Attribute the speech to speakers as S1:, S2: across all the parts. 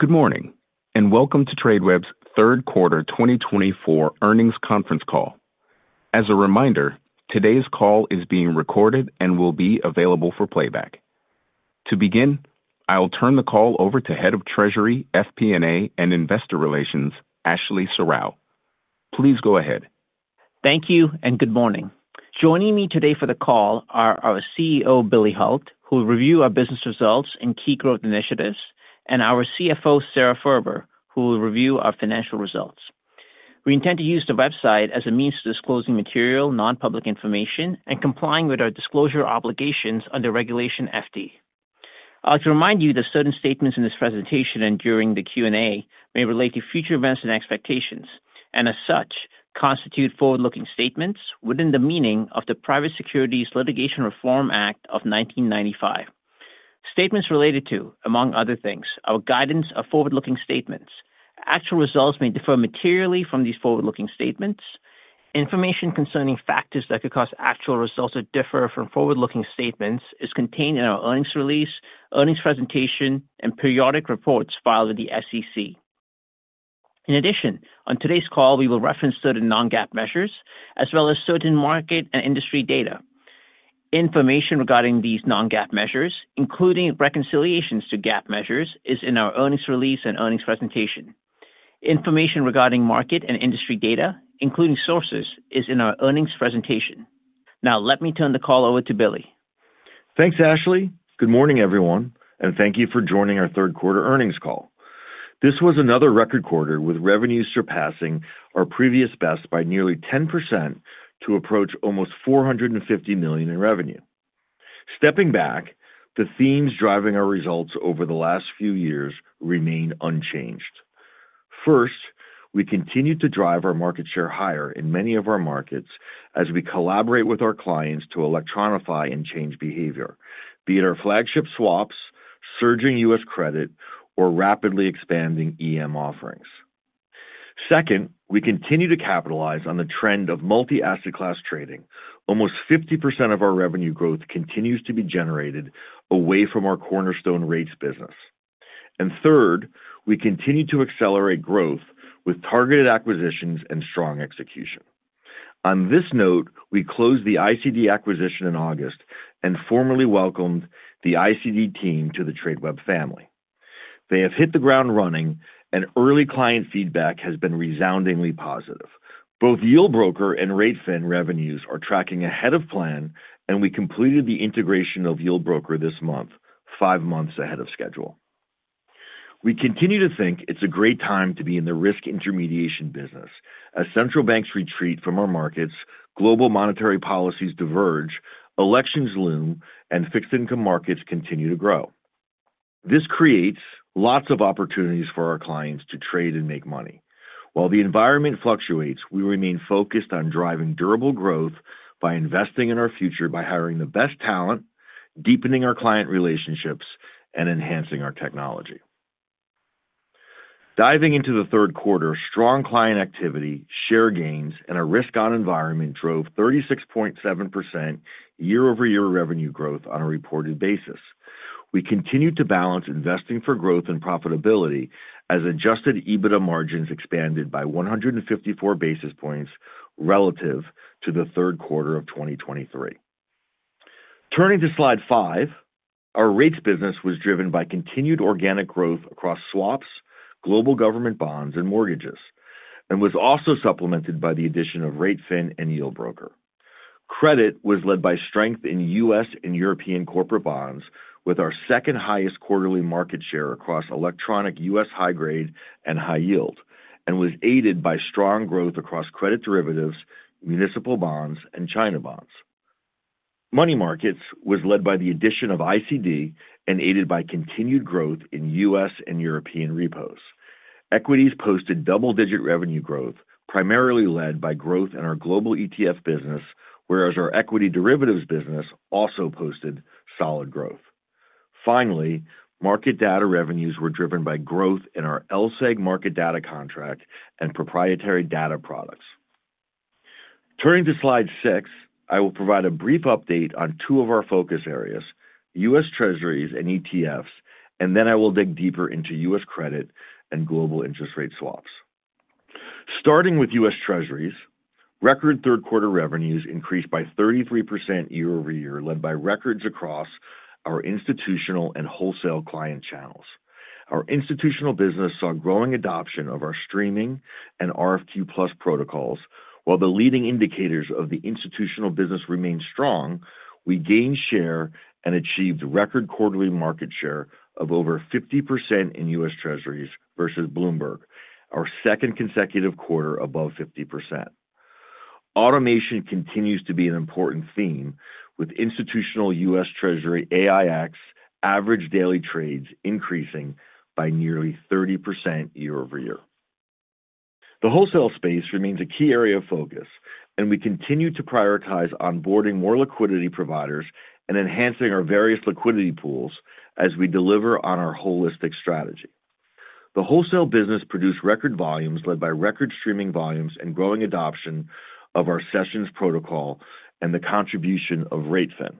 S1: Good morning, and welcome to Tradeweb's Q3 2024 earnings conference call. As a reminder, today's call is being recorded and will be available for playback. To begin, I'll turn the call over to Head of Treasury, FP&A, and Investor Relations, Ashley Serrao. Please go ahead.
S2: Thank you, and good morning. Joining me today for the call are our CEO, Billy Hult, who will review our business results and key growth initiatives, and our CFO, Sara Furber, who will review our financial results. We intend to use the website as a means to disclose any material, non-public information, and comply with our disclosure obligations under Regulation FD. I'd like to remind you that certain statements in this presentation and during the Q&A may relate to future events and expectations, and as such, constitute forward-looking statements within the meaning of the Private Securities Litigation Reform Act of 1995. Statements related to, among other things, our guidance of forward-looking statements. Actual results may differ materially from these forward-looking statements. Information concerning factors that could cause actual results to differ from forward-looking statements is contained in our earnings release, earnings presentation, and periodic reports filed with the SEC. In addition, on today's call, we will reference certain non-GAAP measures, as well as certain market and industry data. Information regarding these non-GAAP measures, including reconciliations to GAAP measures, is in our earnings release and earnings presentation. Information regarding market and industry data, including sources, is in our earnings presentation. Now, let me turn the call over to Billy.
S3: Thanks, Ashley. Good morning, everyone, and thank you for joining our Q3 earnings call. This was another record quarter with revenues surpassing our previous best by nearly 10% to approach almost $450 million in revenue. Stepping back, the themes driving our results over the last few years remain unchanged. First, we continue to drive our market share higher in many of our markets as we collaborate with our clients to electronify and change behavior, be it our flagship swaps, surging U.S. credit, or rapidly expanding EM offerings. Second, we continue to capitalize on the trend of multi-asset class trading. Almost 50% of our revenue growth continues to be generated away from our cornerstone rates business. And third, we continue to accelerate growth with targeted acquisitions and strong execution. On this note, we closed the ICD acquisition in August and formally welcomed the ICD team to the Tradeweb family. They have hit the ground running, and early client feedback has been resoundingly positive. Both Yieldbroker and r8fin revenues are tracking ahead of plan, and we completed the integration of Yieldbroker this month, five months ahead of schedule. We continue to think it's a great time to be in the risk intermediation business, as central banks retreat from our markets, global monetary policies diverge, elections loom, and fixed income markets continue to grow. This creates lots of opportunities for our clients to trade and make money. While the environment fluctuates, we remain focused on driving durable growth by investing in our future by hiring the best talent, deepening our client relationships, and enhancing our technology. Diving into the Q3, strong client activity, share gains, and a risk-on environment drove 36.7% year-over-year revenue growth on a reported basis. We continue to balance investing for growth and profitability as Adjusted EBITDA margins expanded by 154 basis points relative to Q3 of 2023. Turning to slide 5, our rates business was driven by continued organic growth across swaps, global government bonds, and mortgages, and was also supplemented by the addition of r8fin and Yieldbroker. Credit was led by strength in U.S. and European corporate bonds, with our second-highest quarterly market share across electronic U.S. high-grade and high-yield, and was aided by strong growth across credit derivatives, municipal bonds, and China bonds. Money markets was led by the addition of ICD and aided by continued growth in U.S. and European repos. Equities posted double-digit revenue growth, primarily led by growth in our global ETF business, whereas our equity derivatives business also posted solid growth. Finally, market data revenues were driven by growth in our LSEG market data contract and proprietary data products. Turning to slide 6, I will provide a brief update on two of our focus areas: U.S. Treasuries and ETFs, and then I will dig deeper into U.S. credit and global interest rate swaps. Starting with U.S. Treasuries, record Q3 revenues increased by 33% year-over-year, led by records across our institutional and wholesale client channels. Our institutional business saw growing adoption of our streaming and RFQ+ protocols. While the leading indicators of the institutional business remained strong, we gained share and achieved record quarterly market share of over 50% in U.S. Treasuries versus Bloomberg, our second consecutive quarter above 50%. Automation continues to be an important theme, with institutional U.S. Treasury AiEX average daily trades increasing by nearly 30% year-over-year. The wholesale space remains a key area of focus, and we continue to prioritize onboarding more liquidity providers and enhancing our various liquidity pools as we deliver on our holistic strategy. The wholesale business produced record volumes, led by record streaming volumes and growing adoption of our Sessions protocol and the contribution of r8fin.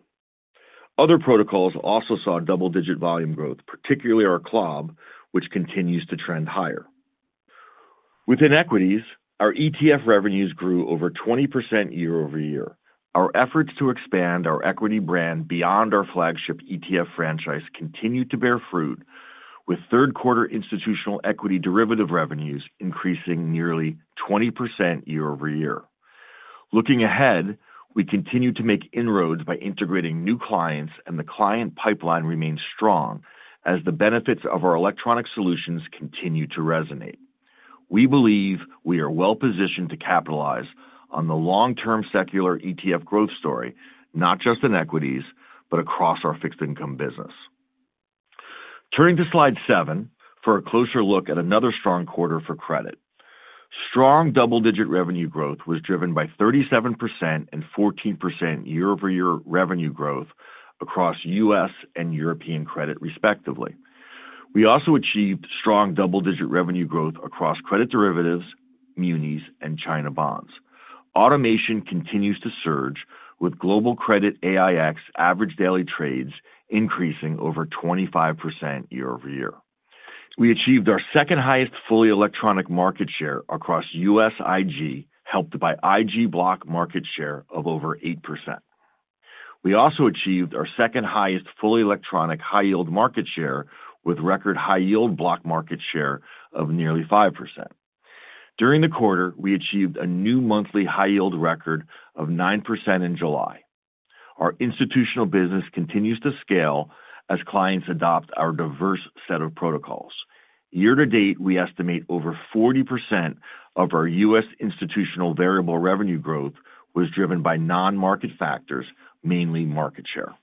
S3: Other protocols also saw double-digit volume growth, particularly our CLOB, which continues to trend higher. Within equities, our ETF revenues grew over 20% year-over-year. Our efforts to expand our equity brand beyond our flagship ETF franchise continued to bear fruit, with Q3 institutional equity derivative revenues increasing nearly 20% year-over-year. Looking ahead, we continue to make inroads by integrating new clients, and the client pipeline remains strong as the benefits of our electronic solutions continue to resonate. We believe we are well-positioned to capitalize on the long-term secular ETF growth story, not just in equities, but across our fixed income business. Turning to slide 7 for a closer look at another strong quarter for credit. Strong double-digit revenue growth was driven by 37% and 14% year-over-year revenue growth across U.S. and European credit, respectively. We also achieved strong double-digit revenue growth across credit derivatives, munis, and China bonds. Automation continues to surge, with global credit AiEX average daily trades increasing over 25% year-over-year. We achieved our second-highest fully electronic market share across U.S. IG, helped by IG block market share of over 8%. We also achieved our second-highest fully electronic high-yield market share with record high-yield block market share of nearly 5%. During the quarter, we achieved a new monthly high-yield record of 9% in July. Our institutional business continues to scale as clients adopt our diverse set of protocols. Year-to-date, we estimate over 40% of our U.S. institutional variable revenue growth was driven by non-market factors, mainly market share.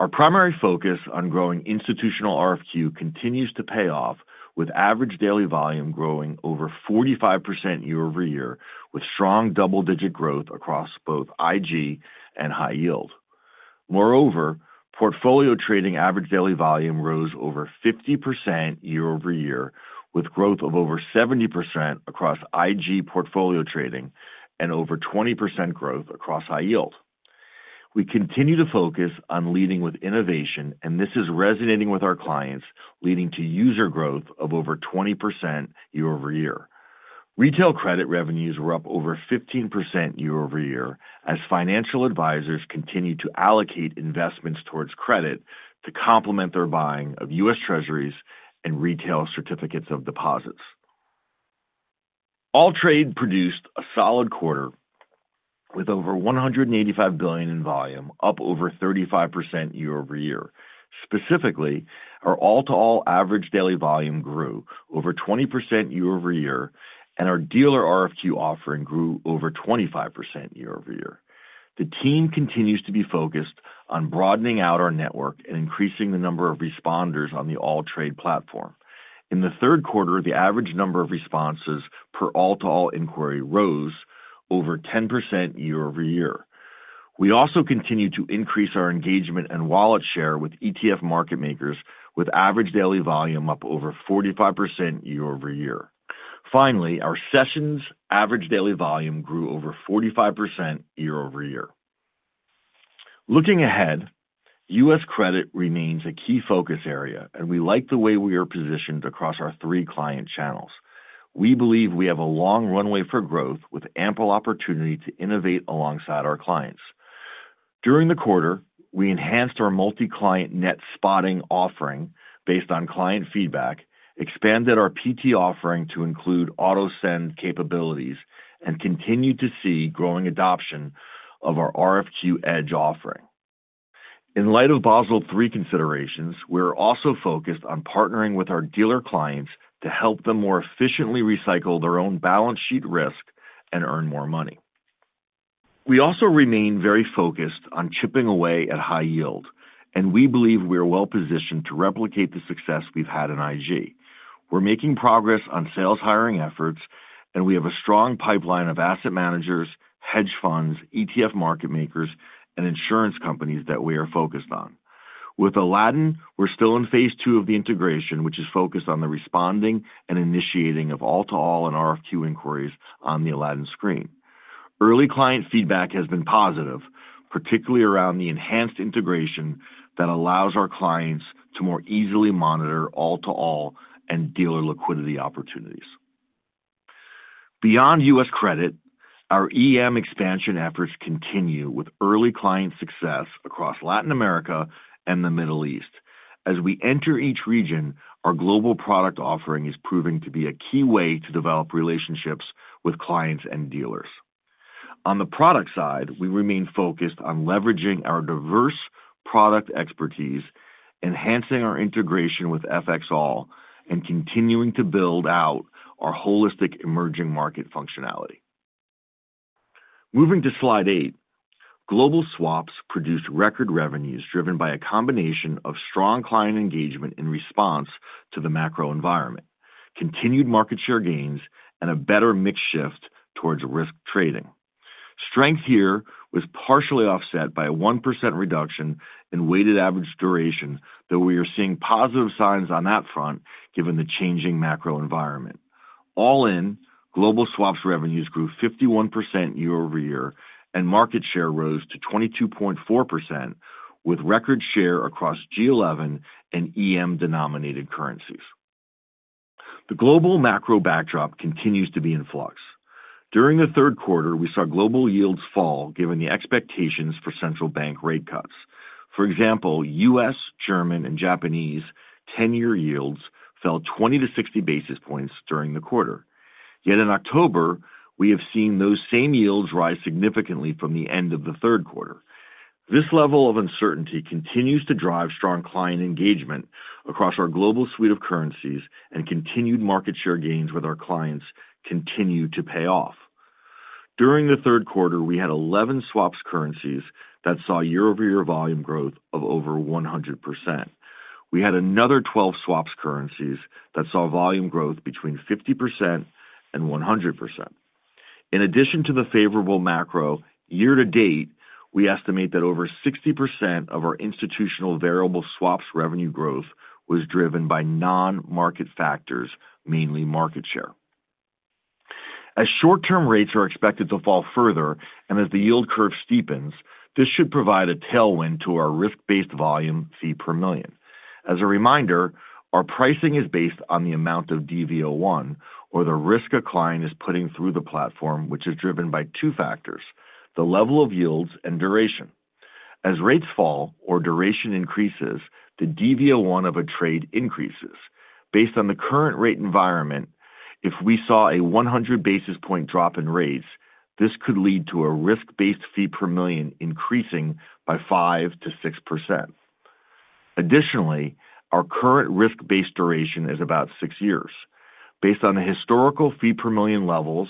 S3: Our primary focus on growing institutional RFQ continues to pay off, with average daily volume growing over 45% year-over-year, with strong double-digit growth across both IG and high-yield. Moreover, portfolio trading average daily volume rose over 50% year-over-year, with growth of over 70% across IG portfolio trading and over 20% growth across high-yield. We continue to focus on leading with innovation, and this is resonating with our clients, leading to user growth of over 20% year-over-year. Retail credit revenues were up over 15% year-over-year as financial advisors continued to allocate investments towards credit to complement their buying of U.S. Treasuries and retail certificates of deposits. AllTrade produced a solid quarter with over $185 billion in volume, up over 35% year-over-year. Specifically, our all-to-all average daily volume grew over 20% year-over-year, and our dealer RFQ offering grew over 25% year-over-year. The team continues to be focused on broadening out our network and increasing the number of responders on the AllTrade platform. In Q3, the average number of responses per all-to-all inquiry rose over 10% year-over-year. We also continue to increase our engagement and wallet share with ETF market makers, with average daily volume up over 45% year-over-year. Finally, our sessions average daily volume grew over 45% year-over-year. Looking ahead, U.S. credit remains a key focus area, and we like the way we are positioned across our three client channels. We believe we have a long runway for growth, with ample opportunity to innovate alongside our clients. During the quarter, we enhanced our multi-client net spotting offering based on client feedback, expanded our PT offering to include auto-send capabilities, and continued to see growing adoption of our RFQ Edge offering. In light of Basel III considerations, we are also focused on partnering with our dealer clients to help them more efficiently recycle their own balance sheet risk and earn more money. We also remain very focused on chipping away at high-yield, and we believe we are well-positioned to replicate the success we've had in IG. We're making progress on sales hiring efforts, and we have a strong pipeline of asset managers, hedge funds, ETF market makers, and insurance companies that we are focused on. With Aladdin, we're still in phase two of the integration, which is focused on the responding and initiating of all-to-all and RFQ inquiries on the Aladdin screen. Early client feedback has been positive, particularly around the enhanced integration that allows our clients to more easily monitor all-to-all and dealer liquidity opportunities. Beyond U.S. credit, our EM expansion efforts continue with early client success across Latin America and the Middle East. As we enter each region, our global product offering is proving to be a key way to develop relationships with clients and dealers. On the product side, we remain focused on leveraging our diverse product expertise, enhancing our integration with FXall, and continuing to build out our holistic emerging market functionality. Moving to slide 8, global swaps produced record revenues driven by a combination of strong client engagement in response to the macro environment, continued market share gains, and a better mix shift towards risk trading. Strength here was partially offset by a 1% reduction in weighted average duration, though we are seeing positive signs on that front given the changing macro environment. All in, global swaps revenues grew 51% year-over-year, and market share rose to 22.4% with record share across G11 and EM-denominated currencies. The global macro backdrop continues to be in flux. During the Q3, we saw global yields fall given the expectations for central bank rate cuts. For example, U.S., German, and Japanese 10-year yields fell 20-60 basis points during the quarter. Yet in October, we have seen those same yields rise significantly from the end of the Q3. This level of uncertainty continues to drive strong client engagement across our global suite of currencies and continued market share gains with our clients continue to pay off. During the Q3, we had 11 swaps currencies that saw year-over-year volume growth of over 100%. We had another 12 swaps currencies that saw volume growth between 50% and 100%. In addition to the favorable macro, year-to-date, we estimate that over 60% of our institutional variable swaps revenue growth was driven by non-market factors, mainly market share. As short-term rates are expected to fall further and as the yield curve steepens, this should provide a tailwind to our risk-based volume fee per million. As a reminder, our pricing is based on the amount of DVO1, or the risk a client is putting through the platform, which is driven by two factors: the level of yields and duration. As rates fall or duration increases, the DVO1 of a trade increases. Based on the current rate environment, if we saw a 100 basis point drop in rates, this could lead to a risk-based fee per million increasing by 5%-6%. Additionally, our current risk-based duration is about 6 years. Based on the historical fee per million levels,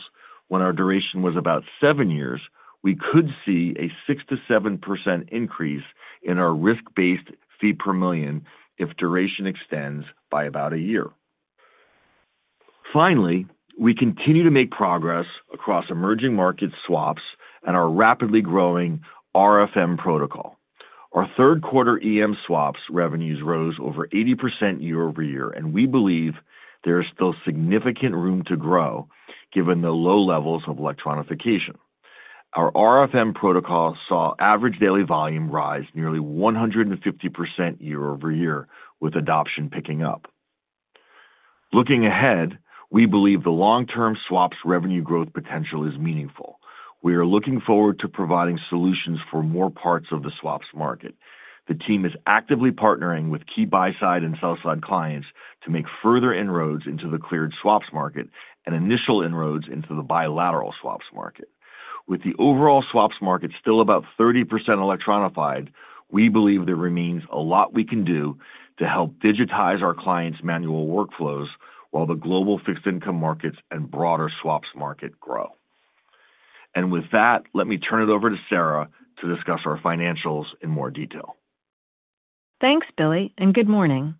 S3: when our duration was about 7 years, we could see a 6%-7% increase in our risk-based fee per million if duration extends by about a year. Finally, we continue to make progress across emerging markets swaps and our rapidly growing RFM protocol. Our Q3 EM swaps revenues rose over 80% year-over-year, and we believe there is still significant room to grow given the low levels of electronification. Our RFM protocol saw average daily volume rise nearly 150% year-over-year, with adoption picking up. Looking ahead, we believe the long-term swaps revenue growth potential is meaningful. We are looking forward to providing solutions for more parts of the swaps market. The team is actively partnering with key buy-side and sell-side clients to make further inroads into the cleared swaps market and initial inroads into the bilateral swaps market. With the overall swaps market still about 30% electronified, we believe there remains a lot we can do to help digitize our clients' manual workflows while the global fixed income markets and broader swaps market grow. And with that, let me turn it over to Sara to discuss our financials in more detail.
S4: Thanks, Billy, and good morning.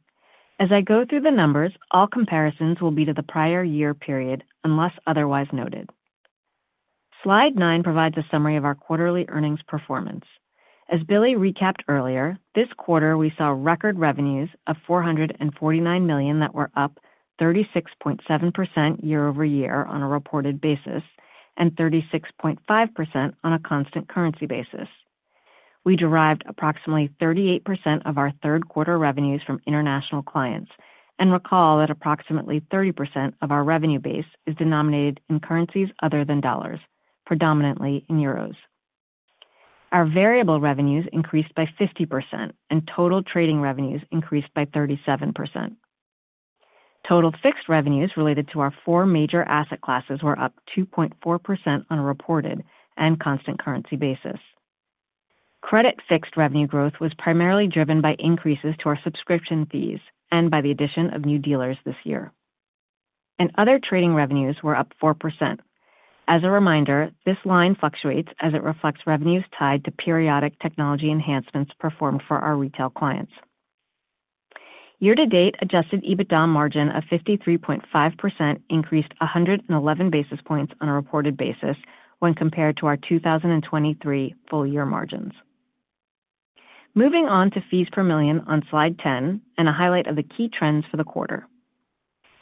S4: As I go through the numbers, all comparisons will be to the prior year period unless otherwise noted. Slide 9 provides a summary of our quarterly earnings performance. As Billy recapped earlier, this quarter we saw record revenues of $449 million that were up 36.7% year-over-year on a reported basis and 36.5% on a constant currency basis. We derived approximately 38% of our Q3 revenues from international clients and recall that approximately 30% of our revenue base is denominated in currencies other than dollars, predominantly in euros. Our variable revenues increased by 50%, and total trading revenues increased by 37%. Total fixed revenues related to our four major asset classes were up 2.4% on a reported and constant currency basis. Credit fixed revenue growth was primarily driven by increases to our subscription fees and by the addition of new dealers this year. And other trading revenues were up 4%. As a reminder, this line fluctuates as it reflects revenues tied to periodic technology enhancements performed for our retail clients. Year-to-date adjusted EBITDA margin of 53.5% increased 111 basis points on a reported basis when compared to our 2023 full-year margins. Moving on to fees per million on Slide 10 and a highlight of the key trends for the quarter.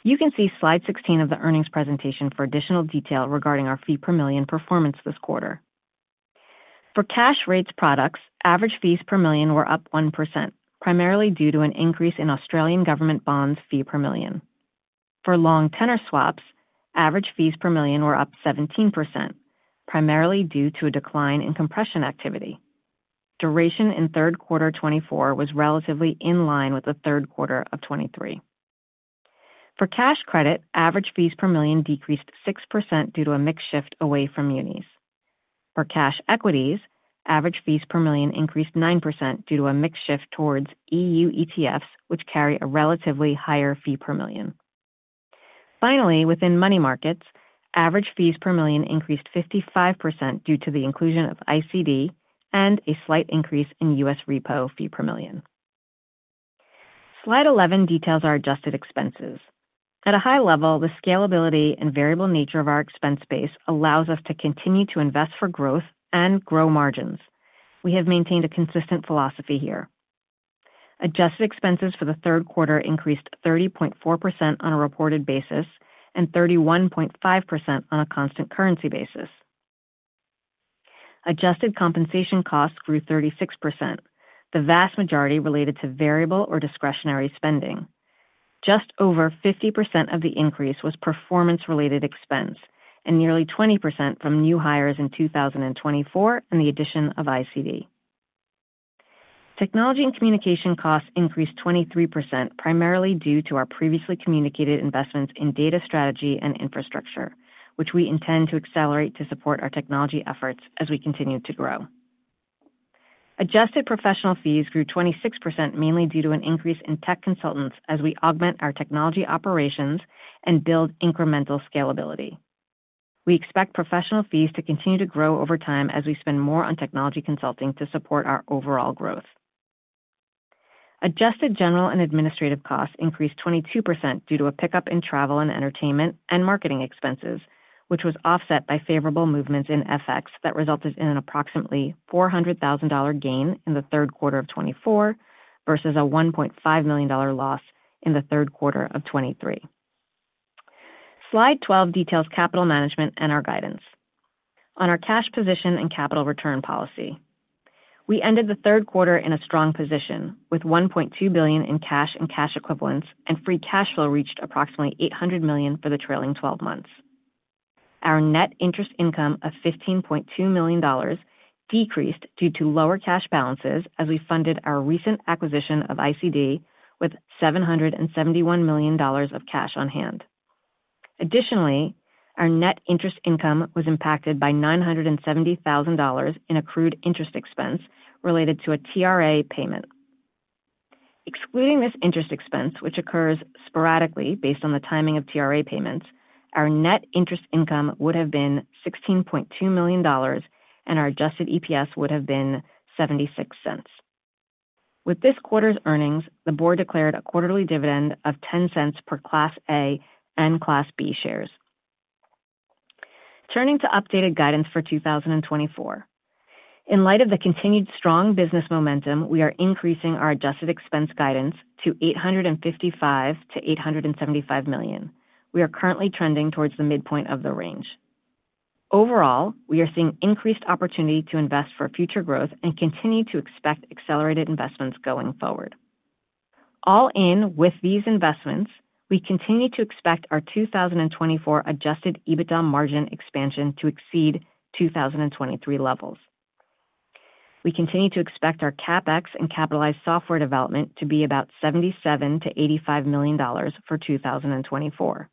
S4: You can see Slide 16 of the earnings presentation for additional detail regarding our fee per million performance this quarter. For cash rates products, average fees per million were up 1%, primarily due to an increase in Australian government bonds fee per million. For long-tenor swaps, average fees per million were up 17%, primarily due to a decline in compression activity. Duration in Third quater 2024 was relatively in line with the Third quater of 2023. For cash credit, average fees per million decreased 6% due to a mix shift away from munis. For cash equities, average fees per million increased 9% due to a mix shift towards EU ETFs, which carry a relatively higher fee per million. Finally, within money markets, average fees per million increased 55% due to the inclusion of ICD and a slight increase in U.S. repo fee per million. Slide 11 details our adjusted expenses. At a high level, the scalability and variable nature of our expense base allows us to continue to invest for growth and grow margins. We have maintained a consistent philosophy here. Adjusted expenses for the Q3 increased 30.4% on a reported basis and 31.5% on a constant currency basis. Adjusted compensation costs grew 36%, the vast majority related to variable or discretionary spending. Just over 50% of the increase was performance-related expense and nearly 20% from new hires in 2024 and the addition of ICD. Technology and communication costs increased 23%, primarily due to our previously communicated investments in data strategy and infrastructure, which we intend to accelerate to support our technology efforts as we continue to grow. Adjusted professional fees grew 26%, mainly due to an increase in tech consultants as we augment our technology operations and build incremental scalability. We expect professional fees to continue to grow over time as we spend more on technology consulting to support our overall growth. Adjusted general and administrative costs increased 22% due to a pickup in travel and entertainment and marketing expenses, which was offset by favorable movements in FX that resulted in an approximately $400,000 gain in Q4 of 2024 versus a $1.5 million loss in Q3 of 2023. Slide 12 details capital management and our guidance. On our cash position and capital return policy, we ended the Q3 in a strong position with $1.2 billion in cash and cash equivalents, and free cash flow reached approximately $800 million for the trailing 12 months. Our net interest income of $15.2 million decreased due to lower cash balances as we funded our recent acquisition of ICD with $771 million of cash on hand. Additionally, our net interest income was impacted by $970,000 in accrued interest expense related to a TRA payment. Excluding this interest expense, which occurs sporadically based on the timing of TRA payments, our net interest income would have been $16.2 million, and our adjusted EPS would have been $0.76. With this quarter's earnings, the board declared a quarterly dividend of $0.10 per Class A and Class B shares. Turning to updated guidance for 2024, in light of the continued strong business momentum, we are increasing our adjusted expense guidance to $855-$875 million. We are currently trending towards the midpoint of the range. Overall, we are seeing increased opportunity to invest for future growth and continue to expect accelerated investments going forward. All in with these investments, we continue to expect our 2024 Adjusted EBITDA margin expansion to exceed 2023 levels. We continue to expect our CapEx and capitalized software development to be about $77-$85 million for 2024.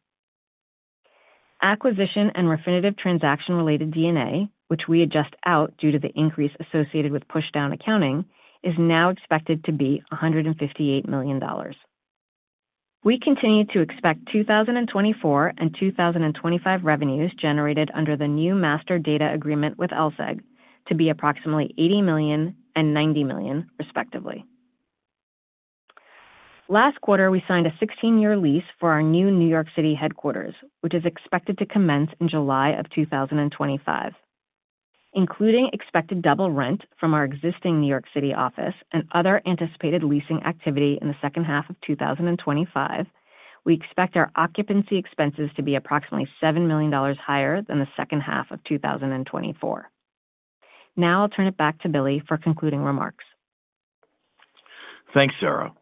S4: Acquisition and Refinitiv transaction-related D&A, which we adjust out due to the increase associated with push-down accounting, is now expected to be $158 million. We continue to expect 2024 and 2025 revenues generated under the new master data agreement with LSEG to be approximately $80 million and $90 million, respectively. Last quarter, we signed a 16-year lease for our new New York City headquarters, which is expected to commence in July of 2025. Including expected double rent from our existing New York City office and other anticipated leasing activity in the second half of 2025, we expect our occupancy expenses to be approximately $7 million higher than the second half of 2024. Now I'll turn it back to Billy for concluding remarks.
S3: Thanks, Sarah. As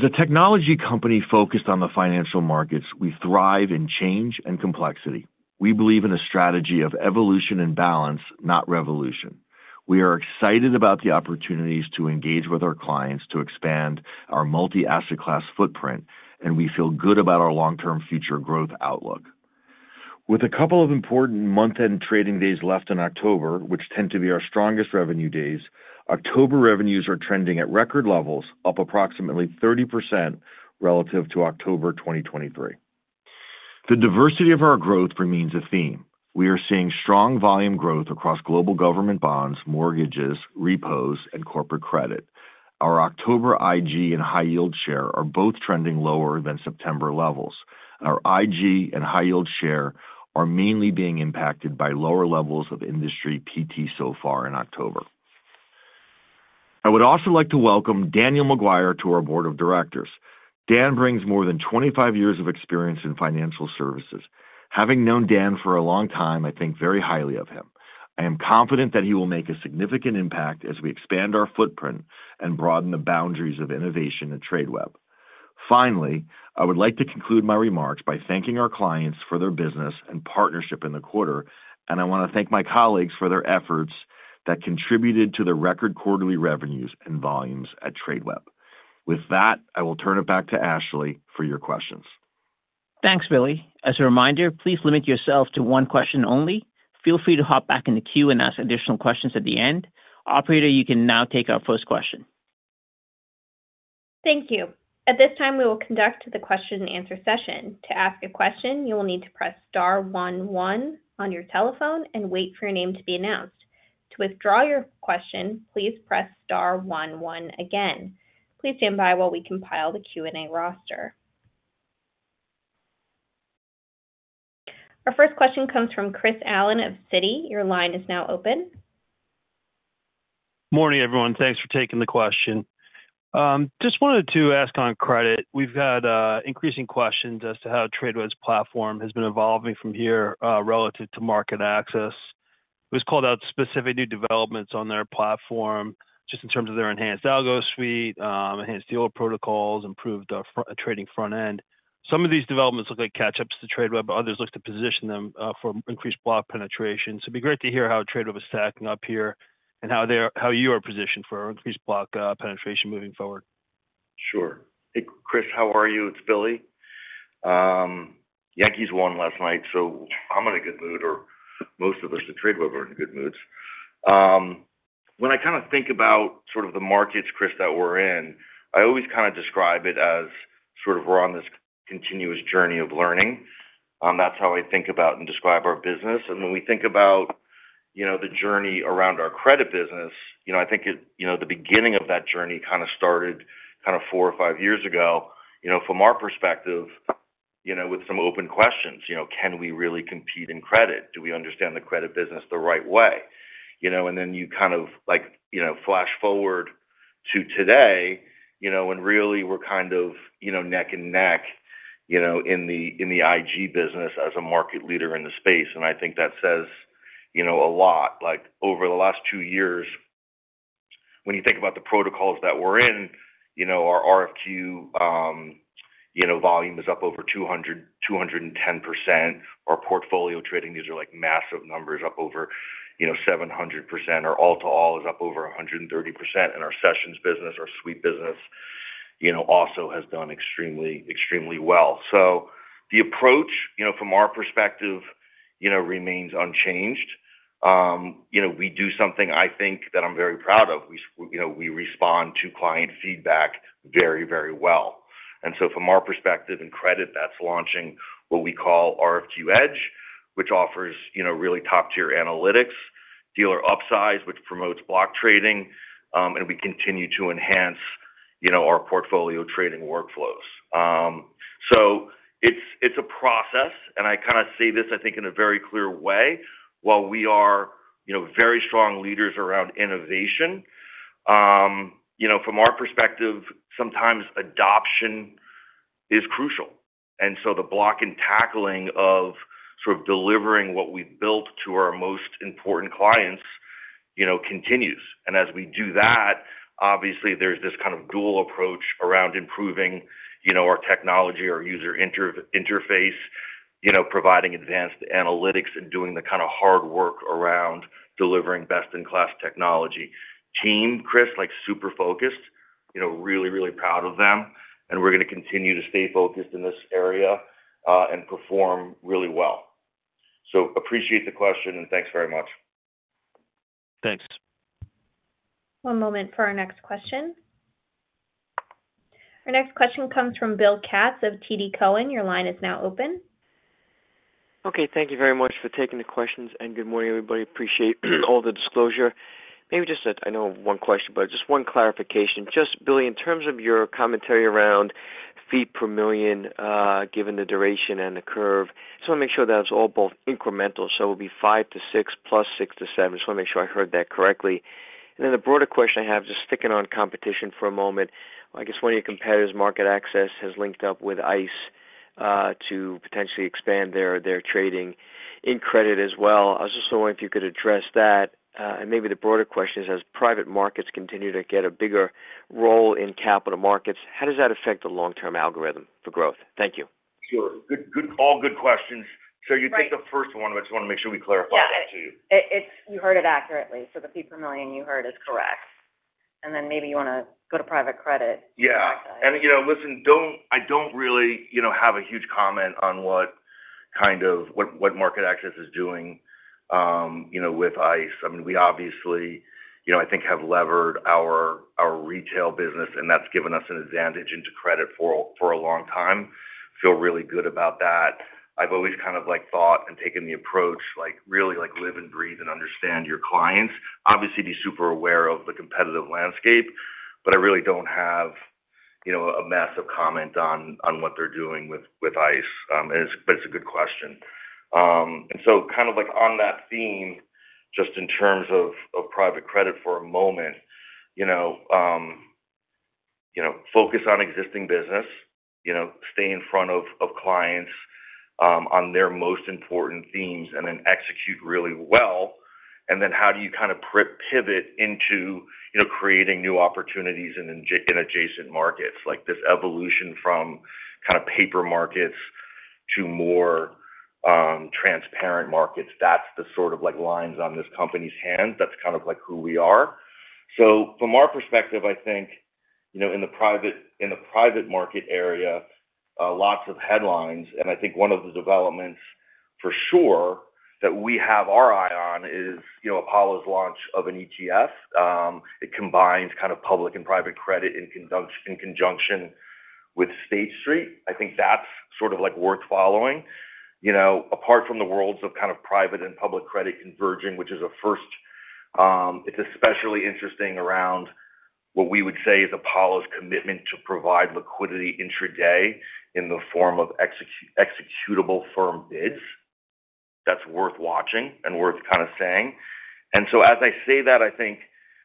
S3: a technology company focused on the financial markets, we thrive in change and complexity. We believe in a strategy of evolution and balance, not revolution. We are excited about the opportunities to engage with our clients to expand our multi-asset class footprint, and we feel good about our long-term future growth outlook. With a couple of important month-end trading days left in October, which tend to be our strongest revenue days, October revenues are trending at record levels, up approximately 30% relative to October 2023. The diversity of our growth remains a theme. We are seeing strong volume growth across global government bonds, mortgages, repos, and corporate credit. Our October IG and high-yield share are both trending lower than September levels. Our IG and high-yield share are mainly being impacted by lower levels of industry PT so far in October. I would also like to welcome Daniel Maguire to our board of directors. Dan brings more than 25 years of experience in financial services. Having known Dan for a long time, I think very highly of him. I am confident that he will make a significant impact as we expand our footprint and broaden the boundaries of innovation at Tradeweb. Finally, I would like to conclude my remarks by thanking our clients for their business and partnership in the quarter, and I want to thank my colleagues for their efforts that contributed to the record quarterly revenues and volumes at Tradeweb. With that, I will turn it back to Ashley for your questions.
S2: Thanks, Billy. As a reminder, please limit yourself to one question only. Feel free to hop back in the queue and ask additional questions at the end. Operator, you can now take our first question.
S1: Thank you. At this time, we will conduct the question-and-answer session. To ask a question, you will need to press star 11 on your telephone and wait for your name to be announced. To withdraw your question, please press star 11 again. Please stand by while we compile the Q&A roster. Our first question comes from Chris Allen of Citi. Your line is now open.
S5: Morning, everyone. Thanks for taking the question. Just wanted to ask on credit, we've had increasing questions as to how Tradeweb's platform has been evolving from here relative to market access. It was called out specific new developments on their platform, just in terms of their enhanced algo suite, enhanced deal protocols, improved trading front end. Some of these developments look like catch-ups to Tradeweb, but others look to position them for increased block penetration. So it'd be great to hear how Tradeweb is stacking up here and how you are positioned for increased block penetration moving forward.
S3: Sure. Hey, Chris, how are you? It's Billy. Yankees won last night, so I'm in a good mood, or most of us at Tradeweb are in good moods. When I kind of think about sort of the markets, Chris, that we're in, I always kind of describe it as sort of we're on this continuous journey of learning. That's how I think about and describe our business. And when we think about the journey around our credit business, I think the beginning of that journey kind of started kind of four or five years ago from our perspective with some open questions. Can we really compete in credit? Do we understand the credit business the right way? And then you kind of flash forward to today when really we're kind of neck and neck in the IG business as a market leader in the space. And I think that says a lot. Over the last two years, when you think about the protocols that we're in, our RFQ volume is up over 210%. Our portfolio trading, these are massive numbers, up over 700%. Our all-to-all is up over 130%. And our sessions business, our sweep business, also has done extremely well. So the approach from our perspective remains unchanged. We do something I think that I'm very proud of. We respond to client feedback very, very well. And so from our perspective in credit, that's launching what we call RFQ Edge, which offers really top-tier analytics, Dealer Upsize, which promotes block trading, and we continue to enhance our portfolio trading workflows. So it's a process, and I kind of say this, I think, in a very clear way. While we are very strong leaders around innovation, from our perspective, sometimes adoption is crucial. And so the block and tackling of sort of delivering what we've built to our most important clients continues. And as we do that, obviously, there's this kind of dual approach around improving our technology, our user interface, providing advanced analytics, and doing the kind of hard work around delivering best-in-class technology. Team, Chris, super focused, really, really proud of them. And we're going to continue to stay focused in this area and perform really well. So appreciate the question, and thanks very much.
S5: Thanks.
S1: One moment for our next question. Our next question comes from Bill Katz of TD Cowen. Your line is now open.
S6: Okay. Thank you very much for taking the questions. And good morning, everybody. Appreciate all the disclosure. Maybe just I know one question, but just one clarification. Just Billy, in terms of your commentary around fee per million, given the duration and the curve, I just want to make sure that it's all both incremental. So it will be five to six plus six to seven. Just want to make sure I heard that correctly, and then the broader question I have, just sticking on competition for a moment, I guess one of your competitors, MarketAxess, has linked up with ICE to potentially expand their trading in credit as well. I was just wondering if you could address that, and maybe the broader question is, as private markets continue to get a bigger role in capital markets, how does that affect the long-term algorithm for growth? Thank you.
S3: Sure. All good questions, so you take the first one, but I just want to make sure we clarify that to you.
S4: Yeah. You heard it accurately, so the fee per million you heard is correct, and then maybe you want to go to private credit. Yeah.
S3: Listen, I don't really have a huge comment on what MarketAxess is doing with ICE. I mean, we obviously, I think, have levered our retail business, and that's given us an advantage into credit for a long time. Feel really good about that. I've always kind of thought and taken the approach, really live and breathe and understand your clients. Obviously, be super aware of the competitive landscape, but I really don't have a massive comment on what they're doing with ICE. It's a good question. So kind of on that theme, just in terms of private credit for a moment, focus on existing business, stay in front of clients on their most important themes, and then execute really well. Then how do you kind of pivot into creating new opportunities in adjacent markets? This evolution from kind of paper markets to more transparent markets, that's the sort of lane this company is in. That's kind of who we are. So from our perspective, I think in the private market area, lots of headlines. And I think one of the developments for sure that we have our eye on is Apollo's launch of an ETF. It combines kind of public and private credit in conjunction with State Street. I think that's sort of worth following. Apart from the worlds of kind of private and public credit converging, which is a first, it's especially interesting around what we would say is Apollo's commitment to provide liquidity intraday in the form of executable firm bids. That's worth watching and worth kind of saying. And so as I say that, I think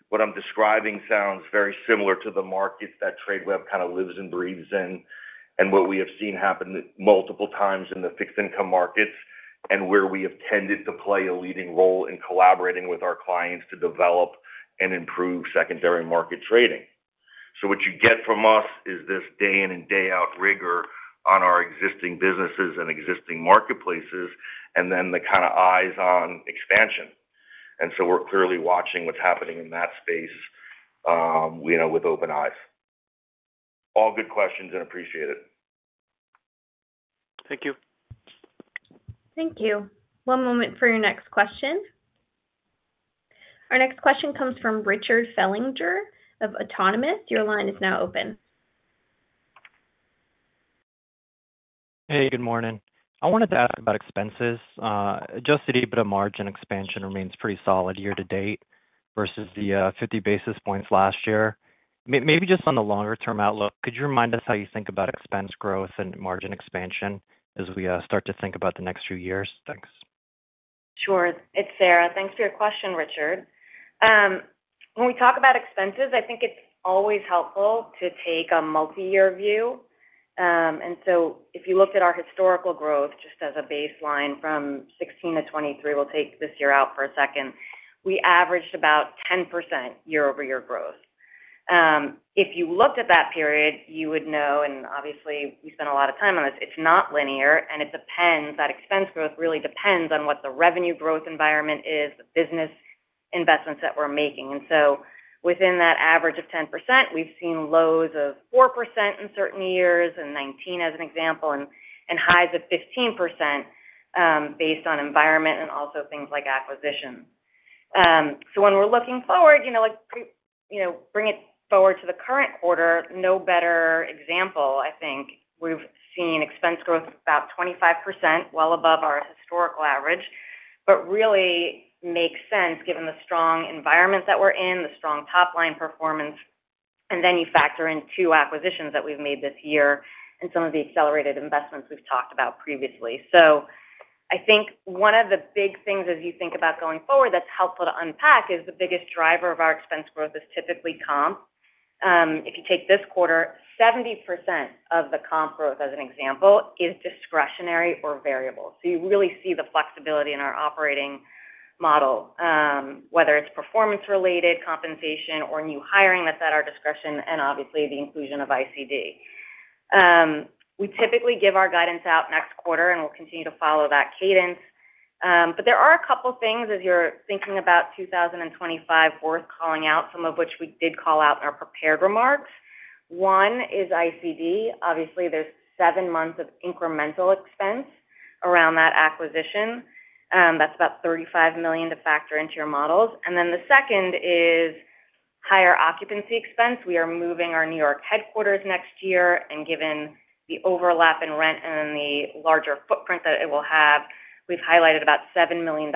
S3: what I'm describing sounds very similar to the markets that Tradeweb kind of lives and breathes in and what we have seen happen multiple times in the fixed income markets and where we have tended to play a leading role in collaborating with our clients to develop and improve secondary market trading. So what you get from us is this day-in and day-out rigor on our existing businesses and existing marketplaces and then the kind of eyes on expansion. And so we're clearly watching what's happening in that space with open eyes. All good questions and appreciate it.
S6: Thank you.
S1: Thank you. One moment for your next question. Our next question comes from Rob Wildhack of Autonomous Research. Your line is now open. Hey, good morning. I wanted to ask about expenses.
S7: Just to be a bit, margin expansion remains pretty solid year to date versus the 50 basis points last year. Maybe just on the longer-term outlook, could you remind us how you think about expense growth and margin expansion as we start to think about the next few years? Thanks.
S4: Sure. It's Sara. Thanks for your question, Rob. When we talk about expenses, I think it's always helpful to take a multi-year view. And so if you looked at our historical growth, just as a baseline from 2016 to 2023, we'll take this year out for a second, we averaged about 10% year-over-year growth. If you looked at that period, you would know, and obviously, we spent a lot of time on this, it's not linear, and it depends. That expense growth really depends on what the revenue growth environment is, the business investments that we're making. And so within that average of 10%, we've seen lows of 4% in certain years and 2019 as an example, and highs of 15% based on environment and also things like acquisitions. So when we're looking forward, bring it forward to the current quarter, no better example. I think we've seen expense growth about 25%, well above our historical average, but really makes sense given the strong environment that we're in, the strong top-line performance. And then you factor in two acquisitions that we've made this year and some of the accelerated investments we've talked about previously. So I think one of the big things as you think about going forward that's helpful to unpack is the biggest driver of our expense growth is typically comp. If you take this quarter, 70% of the comp growth, as an example, is discretionary or variable. So you really see the flexibility in our operating model, whether it's performance-related compensation, or new hiring that's at our discretion, and obviously, the inclusion of ICD. We typically give our guidance out next quarter, and we'll continue to follow that cadence. But there are a couple of things as you're thinking about 2025 worth calling out, some of which we did call out in our prepared remarks. One is ICD. Obviously, there's seven months of incremental expense around that acquisition. That's about $35 million to factor into your models. And then the second is higher occupancy expense. We are moving our New York headquarters next year. And given the overlap in rent and then the larger footprint that it will have, we've highlighted about $7 million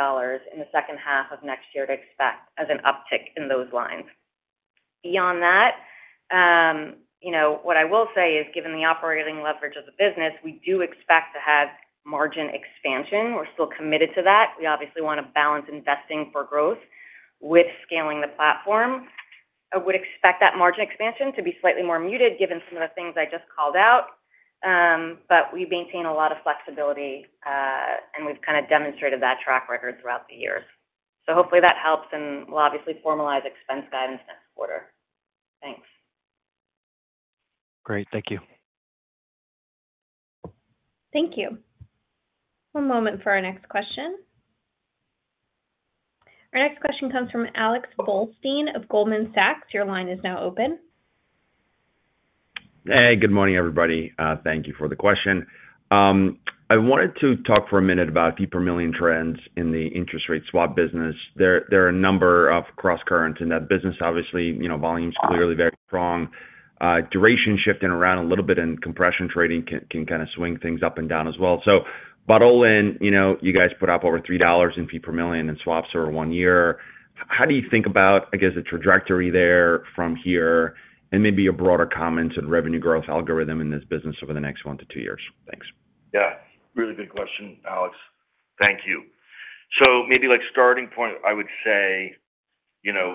S4: in the second half of next year to expect as an uptick in those lines. Beyond that, what I will say is, given the operating leverage of the business, we do expect to have margin expansion. We're still committed to that. We obviously want to balance investing for growth with scaling the platform. I would expect that margin expansion to be slightly more muted given some of the things I just called out. But we maintain a lot of flexibility, and we've kind of demonstrated that track record throughout the years. So hopefully, that helps, and we'll obviously formalize expense guidance next quarter. Thanks.
S7: Great. Thank you.
S1: Thank you. One moment for our next question. Our next question comes from Alex Blostein of Goldman Sachs. Your line is now open.
S8: Hey, good morning, everybody. Thank you for the question. I wanted to talk for a minute about fee per million trends in the interest rate swap business. There are a number of cross-currents in that business. Obviously, volume's clearly very strong. Duration shifting around a little bit in compression trading can kind of swing things up and down as well. So bottom line, you guys put up over $3 in fee per million in swaps over one year. How do you think about, I guess, the trajectory there from here and maybe a broader comment on revenue growth algorithm in this business over the next one to two years? Thanks.
S3: Yeah. Really good question, Alex. Thank you. So maybe starting point, I would say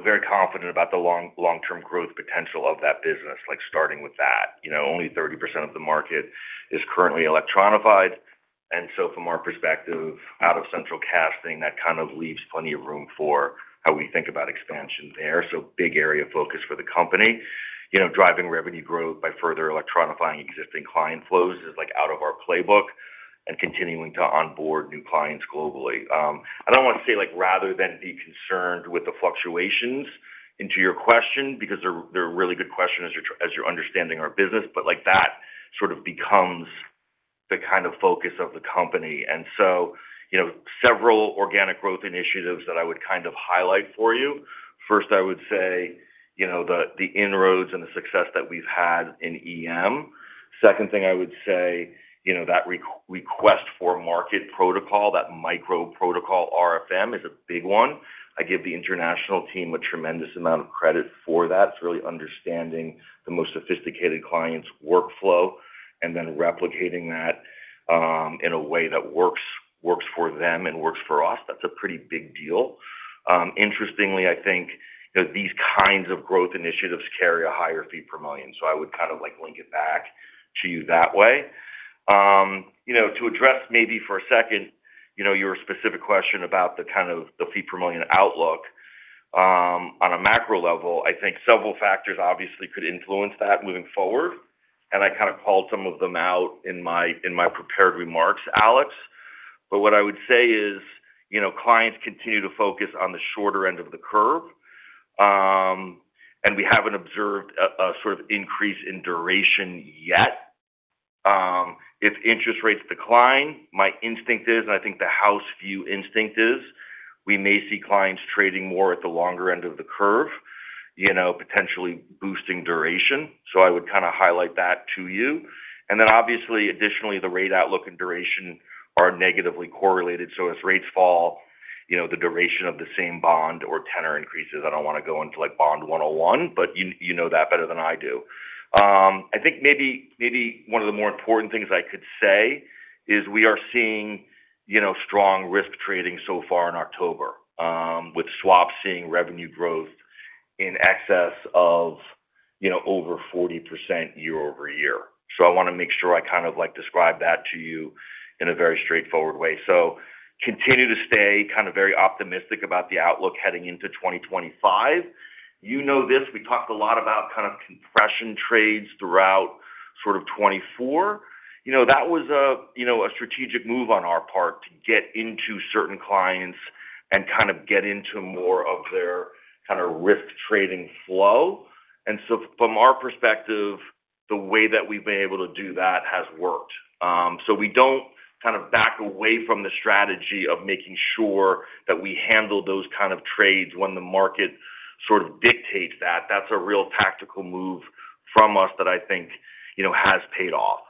S3: very confident about the long-term growth potential of that business, starting with that. Only 30% of the market is currently electronified. And so from our perspective out of Central Casting, that kind of leaves plenty of room for how we think about expansion there. So big area of focus for the company. Driving revenue growth by further electronifying existing client flows is out of our playbook and continuing to onboard new clients globally. I don't want to say rather than be concerned with the fluctuations in your question because they're a really good question as you're understanding our business, but that sort of becomes the kind of focus of the company, and so several organic growth initiatives that I would kind of highlight for you. First, I would say the inroads and the success that we've had in EM. Second thing I would say, that request-for-quote protocol, that RFQ protocol RFQ is a big one. I give the international team a tremendous amount of credit for that. It's really understanding the most sophisticated clients' workflow and then replicating that in a way that works for them and works for us. That's a pretty big deal. Interestingly, I think these kinds of growth initiatives carry a higher fee per million, so I would kind of link it back to you that way. To address maybe for a second your specific question about the kind of the fee per million outlook, on a macro level, I think several factors obviously could influence that moving forward, and I kind of called some of them out in my prepared remarks, Alex, but what I would say is clients continue to focus on the shorter end of the curve, and we haven't observed a sort of increase in duration yet. If interest rates decline, my instinct is, and I think the House view instinct is, we may see clients trading more at the longer end of the curve, potentially boosting duration, so I would kind of highlight that to you. And then, obviously, additionally, the rate outlook and duration are negatively correlated. So as rates fall, the duration of the same bond or tenor increases. I don't want to go into bond 101, but you know that better than I do. I think maybe one of the more important things I could say is we are seeing strong risk trading so far in October with swaps seeing revenue growth in excess of over 40% year-over-year. So I want to make sure I kind of describe that to you in a very straightforward way. So continue to stay kind of very optimistic about the outlook heading into 2025. You know this. We talked a lot about kind of compression trades throughout sort of 2024. That was a strategic move on our part to get into certain clients and kind of get into more of their kind of risk trading flow. And so from our perspective, the way that we've been able to do that has worked. So we don't kind of back away from the strategy of making sure that we handle those kind of trades when the market sort of dictates that. That's a real tactical move from us that I think has paid off.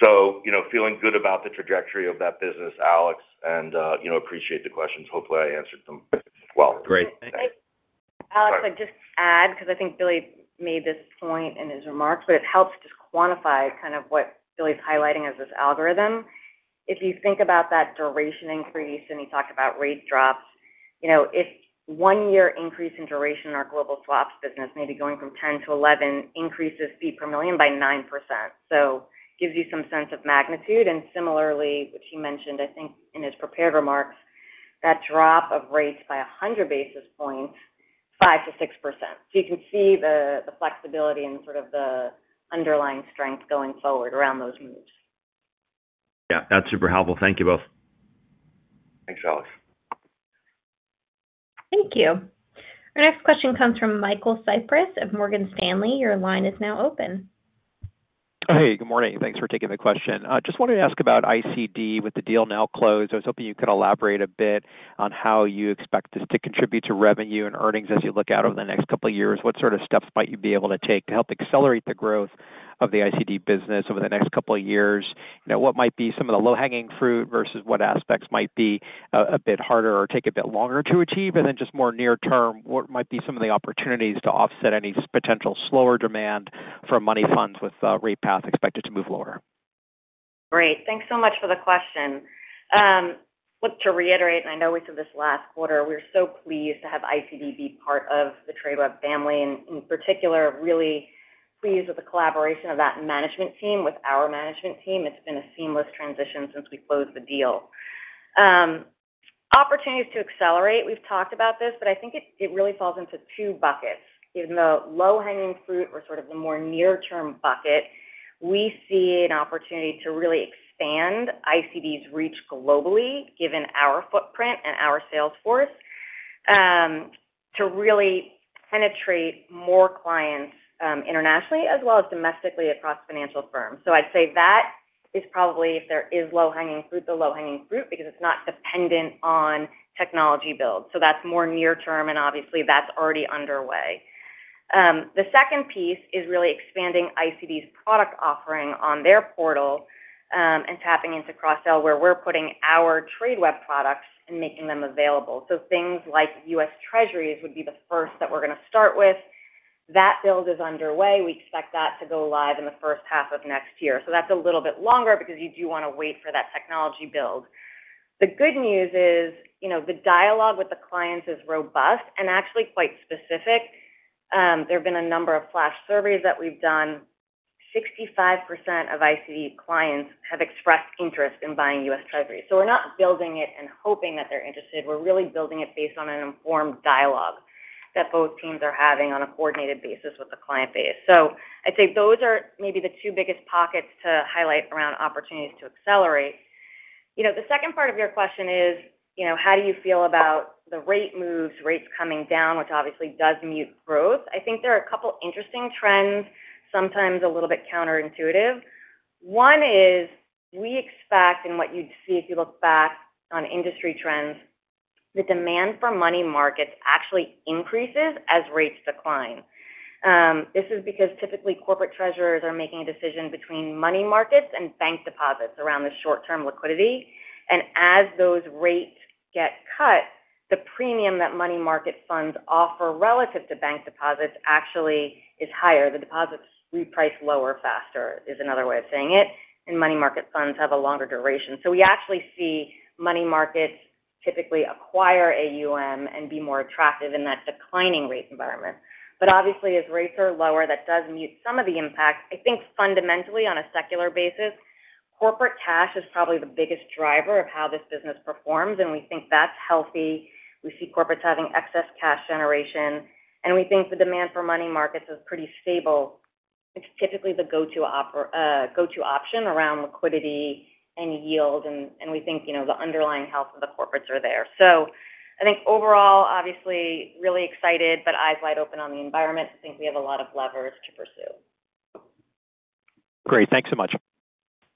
S3: So feeling good about the trajectory of that business, Alex, and appreciate the questions. Hopefully, I answered them well.
S8: Great. Thanks.
S4: Alex, I'd just add because I think Billy made this point in his remarks, but it helps just quantify kind of what Billy's highlighting as this algorithm. If you think about that duration increase and you talk about rate drops, if one-year increase in duration in our global swaps business, maybe going from 10 to 11, increases fee per million by 9%. So it gives you some sense of magnitude. And similarly, what he mentioned, I think in his prepared remarks, that drop of rates by 100 basis points, 5%-6%. So you can see the flexibility and sort of the underlying strength going forward around those moves.
S8: Yeah. That's super helpful. Thank you both.
S3: Thanks, Alex.
S1: Thank you. Our next question comes from Michael Cyprys of Morgan Stanley. Your line is now open.
S9: Hey, good morning. Thanks for taking the question. Just wanted to ask about ICD with the deal now closed. I was hoping you could elaborate a bit on how you expect this to contribute to revenue and earnings as you look out over the next couple of years. What sort of steps might you be able to take to help accelerate the growth of the ICD business over the next couple of years? What might be some of the low-hanging fruit versus what aspects might be a bit harder or take a bit longer to achieve? And then just more near-term, what might be some of the opportunities to offset any potential slower demand for money funds with rate path expected to move lower?
S4: Great. Thanks so much for the question. To reiterate, and I know we said this last quarter, we're so pleased to have ICD be part of the Tradeweb family. And in particular, really pleased with the collaboration of that management team with our management team. It's been a seamless transition since we closed the deal. Opportunities to accelerate. We've talked about this, but I think it really falls into two buckets. Even though low-hanging fruit or sort of the more near-term bucket, we see an opportunity to really expand ICD's reach globally given our footprint and our sales force to really penetrate more clients internationally as well as domestically across financial firms. So I'd say that is probably, if there is low-hanging fruit, the low-hanging fruit because it's not dependent on technology build. So that's more near-term, and obviously, that's already underway. The second piece is really expanding ICD's product offering on their portal and tapping into cross-sell, where we're putting our Tradeweb products and making them available. So things like U.S. Treasuries would be the first that we're going to start with. That build is underway. We expect that to go live in the first half of next year. So that's a little bit longer because you do want to wait for that technology build. The good news is the dialogue with the clients is robust and actually quite specific. There have been a number of flash surveys that we've done. 65% of ICD clients have expressed interest in buying U.S. Treasuries. So we're not building it and hoping that they're interested. We're really building it based on an informed dialogue that both teams are having on a coordinated basis with the client base. So I'd say those are maybe the two biggest pockets to highlight around opportunities to accelerate. The second part of your question is, how do you feel about the rate moves, rates coming down, which obviously does mute growth? I think there are a couple of interesting trends, sometimes a little bit counterintuitive. One is we expect, and what you'd see if you look back on industry trends, the demand for money markets actually increases as rates decline. This is because typically corporate treasurers are making a decision between money markets and bank deposits around the short-term liquidity, and as those rates get cut, the premium that money market funds offer relative to bank deposits actually is higher. The deposits reprice lower faster is another way of saying it, and money market funds have a longer duration, so we actually see money markets typically acquire and be more attractive in that declining rate environment, but obviously, as rates are lower, that does mute some of the impact. I think fundamentally, on a secular basis, corporate cash is probably the biggest driver of how this business performs, and we think that's healthy. We see corporates having excess cash generation, and we think the demand for money markets is pretty stable. It's typically the go-to option around liquidity and yield. And we think the underlying health of the corporates are there. So I think overall, obviously, really excited, but eyes wide open on the environment. I think we have a lot of levers to pursue.
S9: Great. Thanks so much.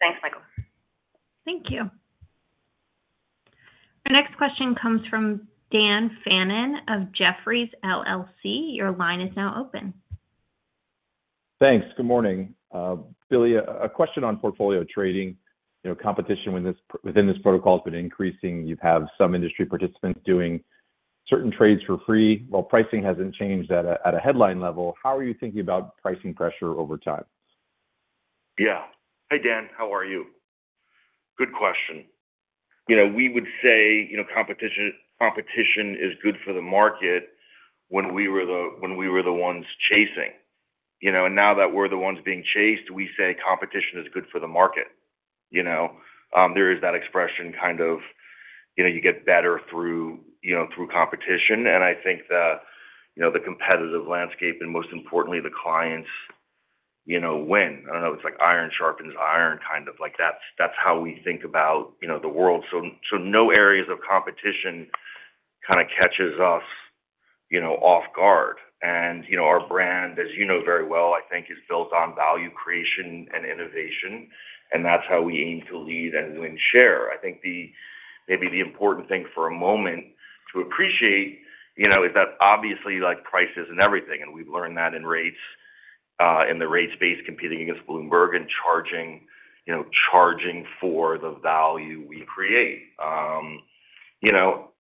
S4: Thanks, Michael.
S1: Thank you. Our next question comes from Dan Fannon of Jefferies. Your line is now open.
S10: Thanks. Good morning. Billy, a question on portfolio trading. Competition within this protocol has been increasing. You have some industry participants doing certain trades for free. Well, pricing hasn't changed at a headline level. How are you thinking about pricing pressure over time?
S3: Yeah. Hey, Dan. How are you? Good question. We would say competition is good for the market when we were the ones chasing. And now that we're the ones being chased, we say competition is good for the market. There is that expression kind of you get better through competition. And I think the competitive landscape and most importantly, the clients win. I don't know. It's like iron sharpens iron kind of. That's how we think about the world. So no areas of competition kind of catches us off guard. And our brand, as you know very well, I think is built on value creation and innovation. And that's how we aim to lead and share. I think maybe the important thing for a moment to appreciate is that obviously prices and everything. And we've learned that in rates and the rates-based competing against Bloomberg and charging for the value we create.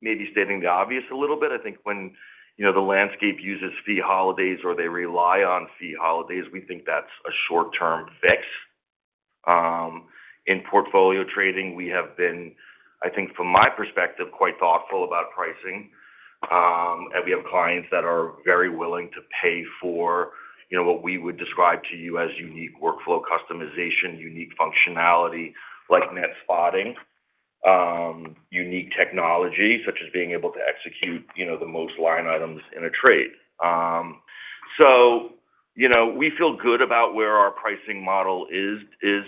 S3: Maybe stating the obvious a little bit. I think when the landscape uses fee holidays or they rely on fee holidays, we think that's a short-term fix. In Portfolio Trading, we have been, I think from my perspective, quite thoughtful about pricing, and we have clients that are very willing to pay for what we would describe to you as unique workflow customization, unique functionality like Net Spotting, unique technology such as being able to execute the most line items in a trade, so we feel good about where our pricing model is,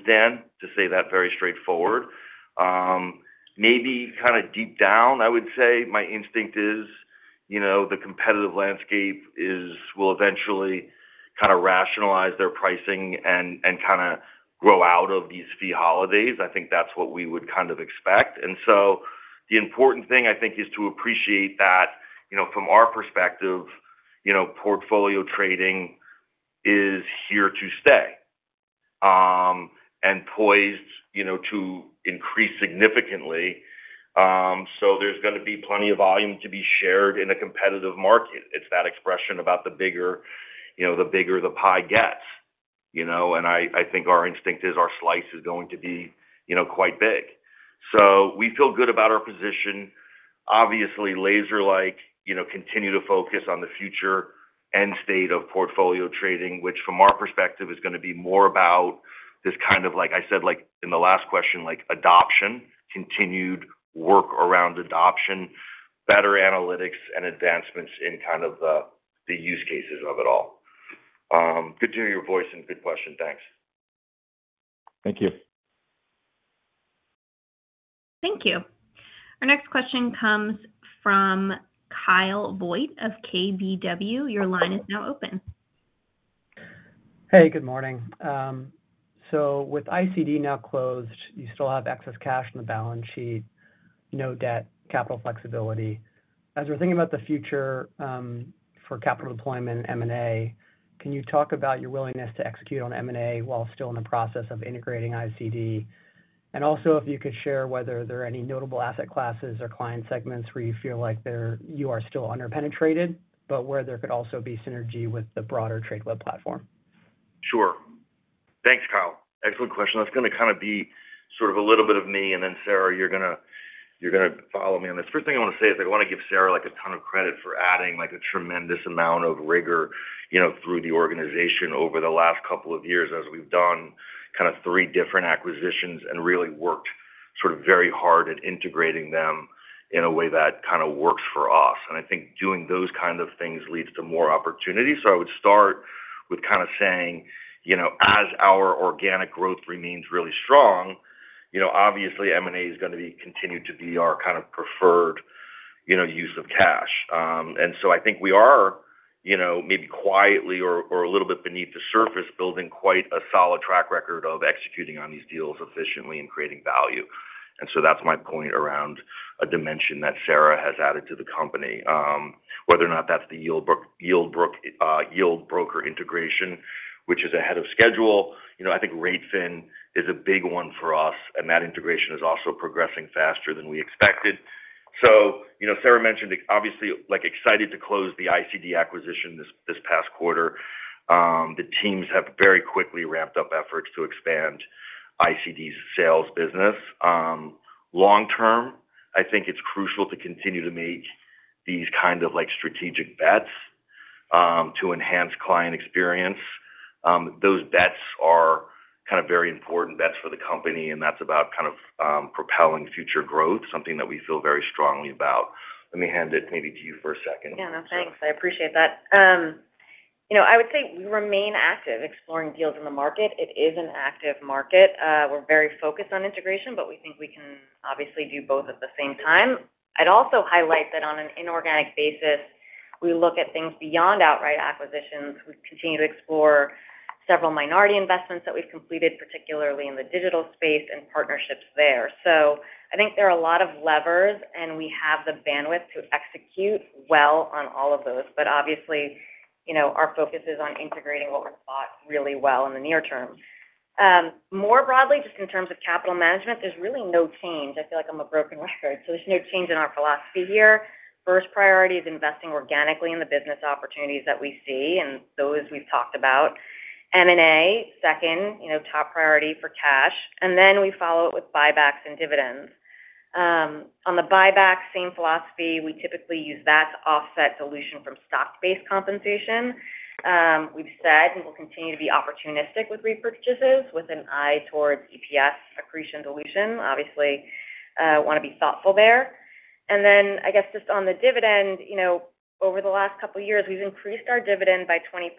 S3: Dan, to say that very straightforward. Maybe kind of deep down, I would say my instinct is the competitive landscape will eventually kind of rationalize their pricing and kind of grow out of these fee holidays. I think that's what we would kind of expect, and so the important thing, I think, is to appreciate that from our perspective, Portfolio Trading is here to stay and poised to increase significantly. There's going to be plenty of volume to be shared in a competitive market. It's that expression about the bigger the pie gets. And I think our instinct is our slice is going to be quite big. So we feel good about our position. Obviously, laser-like, continue to focus on the future end state of portfolio trading, which from our perspective is going to be more about this kind of, like I said, in the last question, adoption, continued work around adoption, better analytics, and advancements in kind of the use cases of it all. Good to hear your voice and good question. Thanks.
S10: Thank you.
S1: Thank you. Our next question comes from Kyle Voigt of KBW. Your line is now open. Hey, good morning. So with ICD now closed, you still have excess cash in the balance sheet, no debt, capital flexibility.
S11: As we're thinking about the future for capital deployment and M&A, can you talk about your willingness to execute on M&A while still in the process of integrating ICD? And also, if you could share whether there are any notable asset classes or client segments where you feel like you are still underpenetrated, but where there could also be synergy with the broader Tradeweb platform.
S6: Sure. Thanks, Kyle. Excellent question. That's going to kind of be sort of a little bit of me. And then, Sara, you're going to follow me on this. First thing I want to say is I want to give Sara a ton of credit for adding a tremendous amount of rigor through the organization over the last couple of years as we've done kind of three different acquisitions and really worked sort of very hard at integrating them in a way that kind of works for us, and I think doing those kinds of things leads to more opportunity, so I would start with kind of saying, as our organic growth remains really strong, obviously, M&A is going to continue to be our kind of preferred use of cash, and so I think we are maybe quietly or a little bit beneath the surface, building quite a solid track record of executing on these deals efficiently and creating value, and so that's my point around a dimension that Sara has added to the company. Whether or not that's the Yieldbroker integration, which is ahead of schedule, I think r8fin is a big one for us. And that integration is also progressing faster than we expected. So Sara mentioned, obviously, excited to close the ICD acquisition this past quarter. The teams have very quickly ramped up efforts to expand ICD's sales business. Long term, I think it's crucial to continue to make these kind of strategic bets to enhance client experience. Those bets are kind of very important bets for the company. And that's about kind of propelling future growth, something that we feel very strongly about. Let me hand it maybe to you for a second.
S4: Yeah. No, thanks. I appreciate that. I would say we remain active exploring deals in the market. It is an active market. We're very focused on integration, but we think we can obviously do both at the same time. I'd also highlight that on an inorganic basis, we look at things beyond outright acquisitions. We continue to explore several minority investments that we've completed, particularly in the digital space and partnerships there, so I think there are a lot of levers, and we have the bandwidth to execute well on all of those, but obviously, our focus is on integrating what we've bought really well in the near term. More broadly, just in terms of capital management, there's really no change. I feel like I'm a broken record, so there's no change in our philosophy here. First priority is investing organically in the business opportunities that we see and those we've talked about. M&A, second, top priority for cash, and then we follow it with buybacks and dividends. On the buyback, same philosophy. We typically use that to offset dilution from stock-based compensation. We've said we'll continue to be opportunistic with repurchases with an eye towards EPS accretion dilution. Obviously, want to be thoughtful there. And then, I guess just on the dividend, over the last couple of years, we've increased our dividend by 25%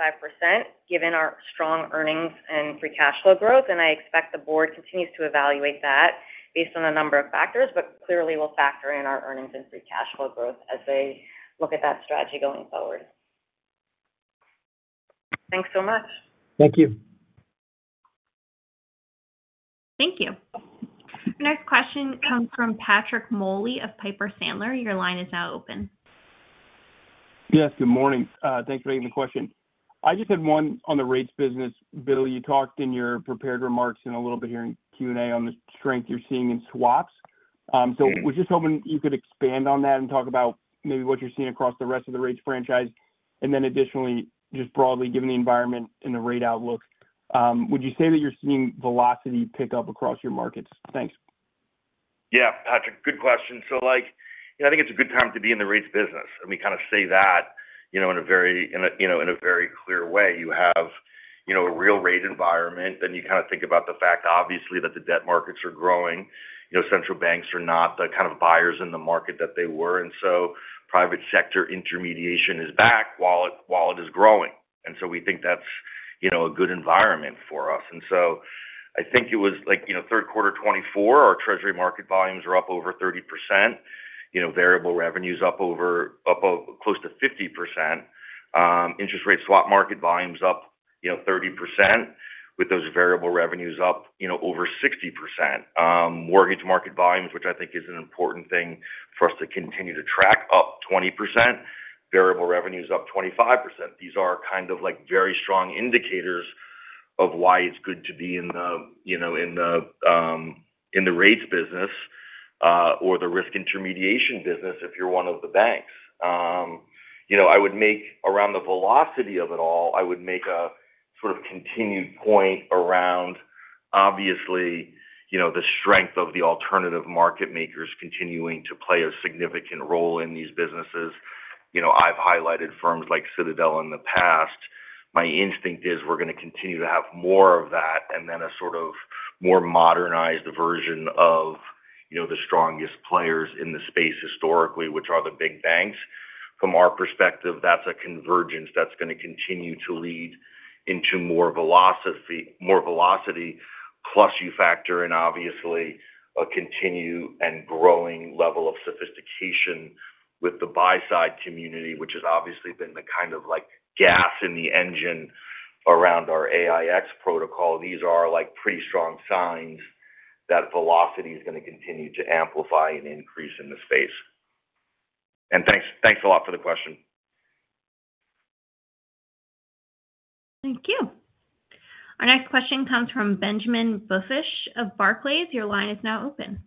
S4: given our strong earnings and free cash flow growth. And I expect the board continues to evaluate that based on a number of factors, but clearly will factor in our earnings and free cash flow growth as they look at that strategy going forward. Thanks so much.
S11: Thank you.
S1: Thank you. Our next question comes from Patrick Moley of Piper Sandler. Your line is now open. Yes. Good morning.
S12: Thanks for taking the question. I just had one on the rates business. Billy, you talked in your prepared remarks and a little bit here in Q&A on the strength you're seeing in swaps. So we're just hoping you could expand on that and talk about maybe what you're seeing across the rest of the rates franchise. And then additionally, just broadly given the environment and the rate outlook, would you say that you're seeing velocity pick up across your markets? Thanks.
S3: Yeah. Patrick, good question. So I think it's a good time to be in the rates business. And we kind of say that in a very clear way. You have a real rate environment. Then you kind of think about the fact, obviously, that the debt markets are growing. Central banks are not the kind of buyers in the market that they were. And so private sector intermediation is back while it is growing. And so we think that's a good environment for us. And so I think it was third quarter 2024, our Treasury market volumes were up over 30%. Variable revenues up close to 50%. Interest rate swap market volumes up 30% with those variable revenues up over 60%. Mortgage market volumes, which I think is an important thing for us to continue to track, up 20%. Variable revenues up 25%. These are kind of very strong indicators of why it's good to be in the rates business or the risk intermediation business if you're one of the banks. I would make around the velocity of it all, I would make a sort of continued point around, obviously, the strength of the alternative market makers continuing to play a significant role in these businesses. I've highlighted firms like Citadel in the past. My instinct is we're going to continue to have more of that and then a sort of more modernized version of the strongest players in the space historically, which are the big banks. From our perspective, that's a convergence that's going to continue to lead into more velocity, plus you factor in, obviously, a continued and growing level of sophistication with the buy-side community, which has obviously been the kind of gas in the engine around our AiEX protocol. These are pretty strong signs that velocity is going to continue to amplify and increase in the space. And thanks a lot for the question.
S1: Thank you. Our next question comes from Benjamin Budish of Barclays. Your line is now open.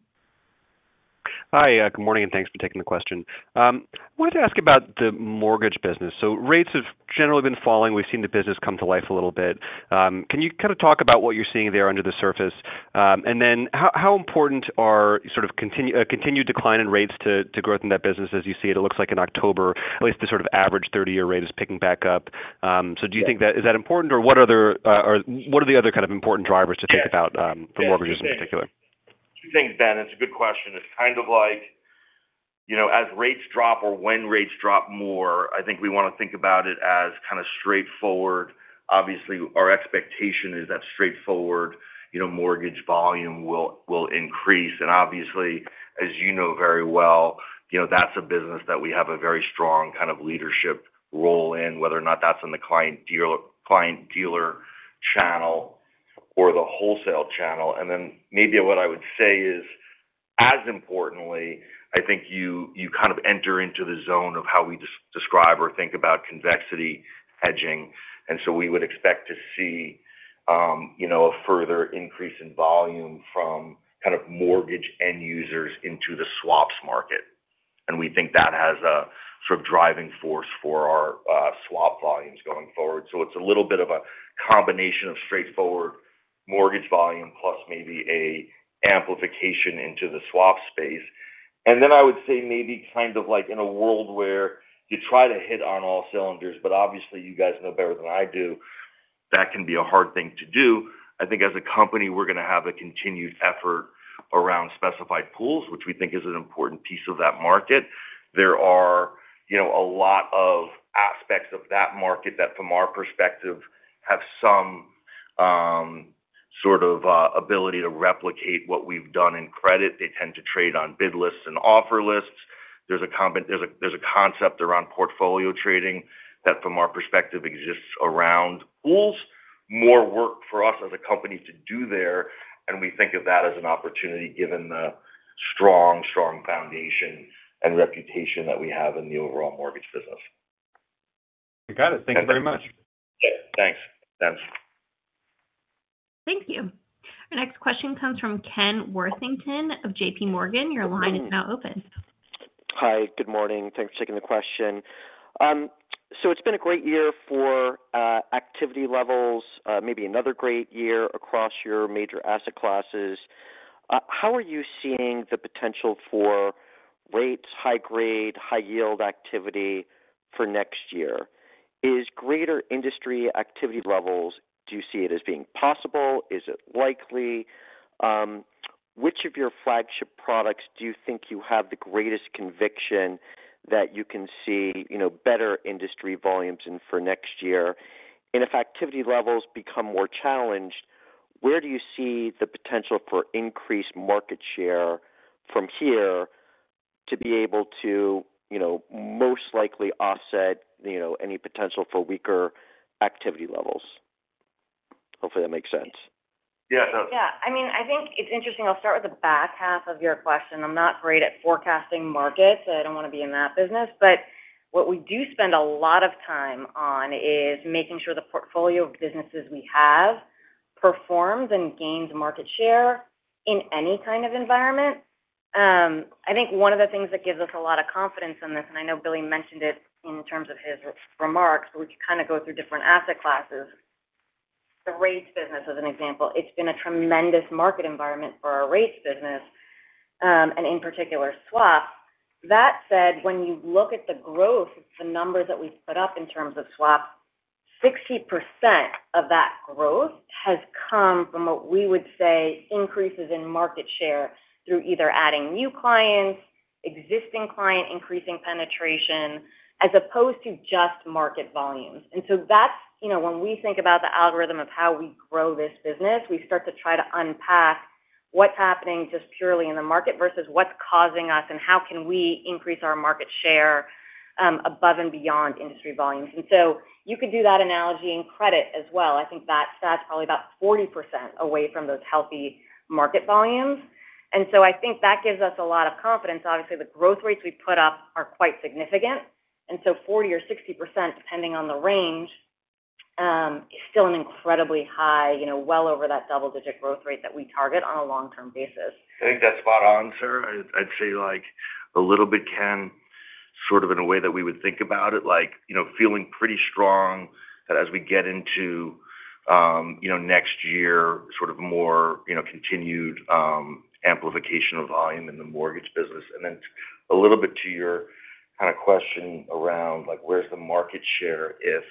S13: Hi. Good morning and thanks for taking the question. I wanted to ask about the mortgage business. So rates have generally been falling. We've seen the business come to life a little bit. Can you kind of talk about what you're seeing there under the surface? And then how important are sort of continued decline in rates to growth in that business as you see it? It looks like in October, at least the sort of average 30-year rate is picking back up. So do you think that is important, or what are the other kind of important drivers to think about for mortgages in particular?
S3: Two things, that It's a good question. It's kind of like as rates drop or when rates drop more, I think we want to think about it as kind of straightforward. Obviously, our expectation is that straightforward mortgage volume will increase. Obviously, as you know very well, that's a business that we have a very strong kind of leadership role in, whether or not that's in the client dealer channel or the wholesale channel. Then maybe what I would say is, as importantly, I think you kind of enter into the zone of how we describe or think about convexity hedging. We would expect to see a further increase in volume from kind of mortgage end users into the swaps market. We think that has a sort of driving force for our swap volumes going forward. It's a little bit of a combination of straightforward mortgage volume plus maybe an amplification into the swap space. And then I would say maybe kind of like in a world where you try to hit on all cylinders, but obviously, you guys know better than I do, that can be a hard thing to do. I think as a company, we're going to have a continued effort around specified pools, which we think is an important piece of that market. There are a lot of aspects of that market that, from our perspective, have some sort of ability to replicate what we've done in credit. They tend to trade on bid lists and offer lists. There's a concept around Portfolio Trading that, from our perspective, exists around pools. More work for us as a company to do there. And we think of that as an opportunity given the strong, strong foundation and reputation that we have in the overall mortgage business.
S13: Got it. Thank you very much.
S3: Thanks. Thanks.
S1: Thank you. Our next question comes from Ken Worthington of JPMorgan. Your line is now open.
S14: Hi. Good morning. Thanks for taking the question. So it's been a great year for activity levels, maybe another great year across your major asset classes. How are you seeing the potential for rates, high-grade, high-yield activity for next year? Is greater industry activity levels do you see it as being possible? Is it likely? Which of your flagship products do you think you have the greatest conviction that you can see better industry volumes in for next year? And if activity levels become more challenged, where do you see the potential for increased market share from here to be able to most likely offset any potential for weaker activity levels? Hopefully, that makes sense.
S3: Yeah. It does.
S4: Yeah. I mean, I think it's interesting. I'll start with the back half of your question. I'm not great at forecasting markets, so I don't want to be in that business. But what we do spend a lot of time on is making sure the portfolio of businesses we have performs and gains market share in any kind of environment. I think one of the things that gives us a lot of confidence in this, and I know Billy mentioned it in terms of his remarks, but we could kind of go through different asset classes, the rates business as an example. It's been a tremendous market environment for our rates business, and in particular, swaps. That said, when you look at the growth, the numbers that we've put up in terms of swaps, 60% of that growth has come from what we would say increases in market share through either adding new clients, existing clients, increasing penetration, as opposed to just market volumes. And so that's when we think about the algorithm of how we grow this business, we start to try to unpack what's happening just purely in the market versus what's causing us and how can we increase our market share above and beyond industry volumes. And so you could do that analogy in credit as well. I think that's probably about 40% away from those healthy market volumes. And so I think that gives us a lot of confidence. Obviously, the growth rates we put up are quite significant. And so 40% or 60%, depending on the range, is still an incredibly high, well over that double-digit growth rate that we target on a long-term basis.
S3: I think that's spot on, sir. I'd say a little bit can sort of in a way that we would think about it, feeling pretty strong that as we get into next year, sort of more continued amplification of volume in the mortgage business. And then a little bit to your kind of question around where's the market share if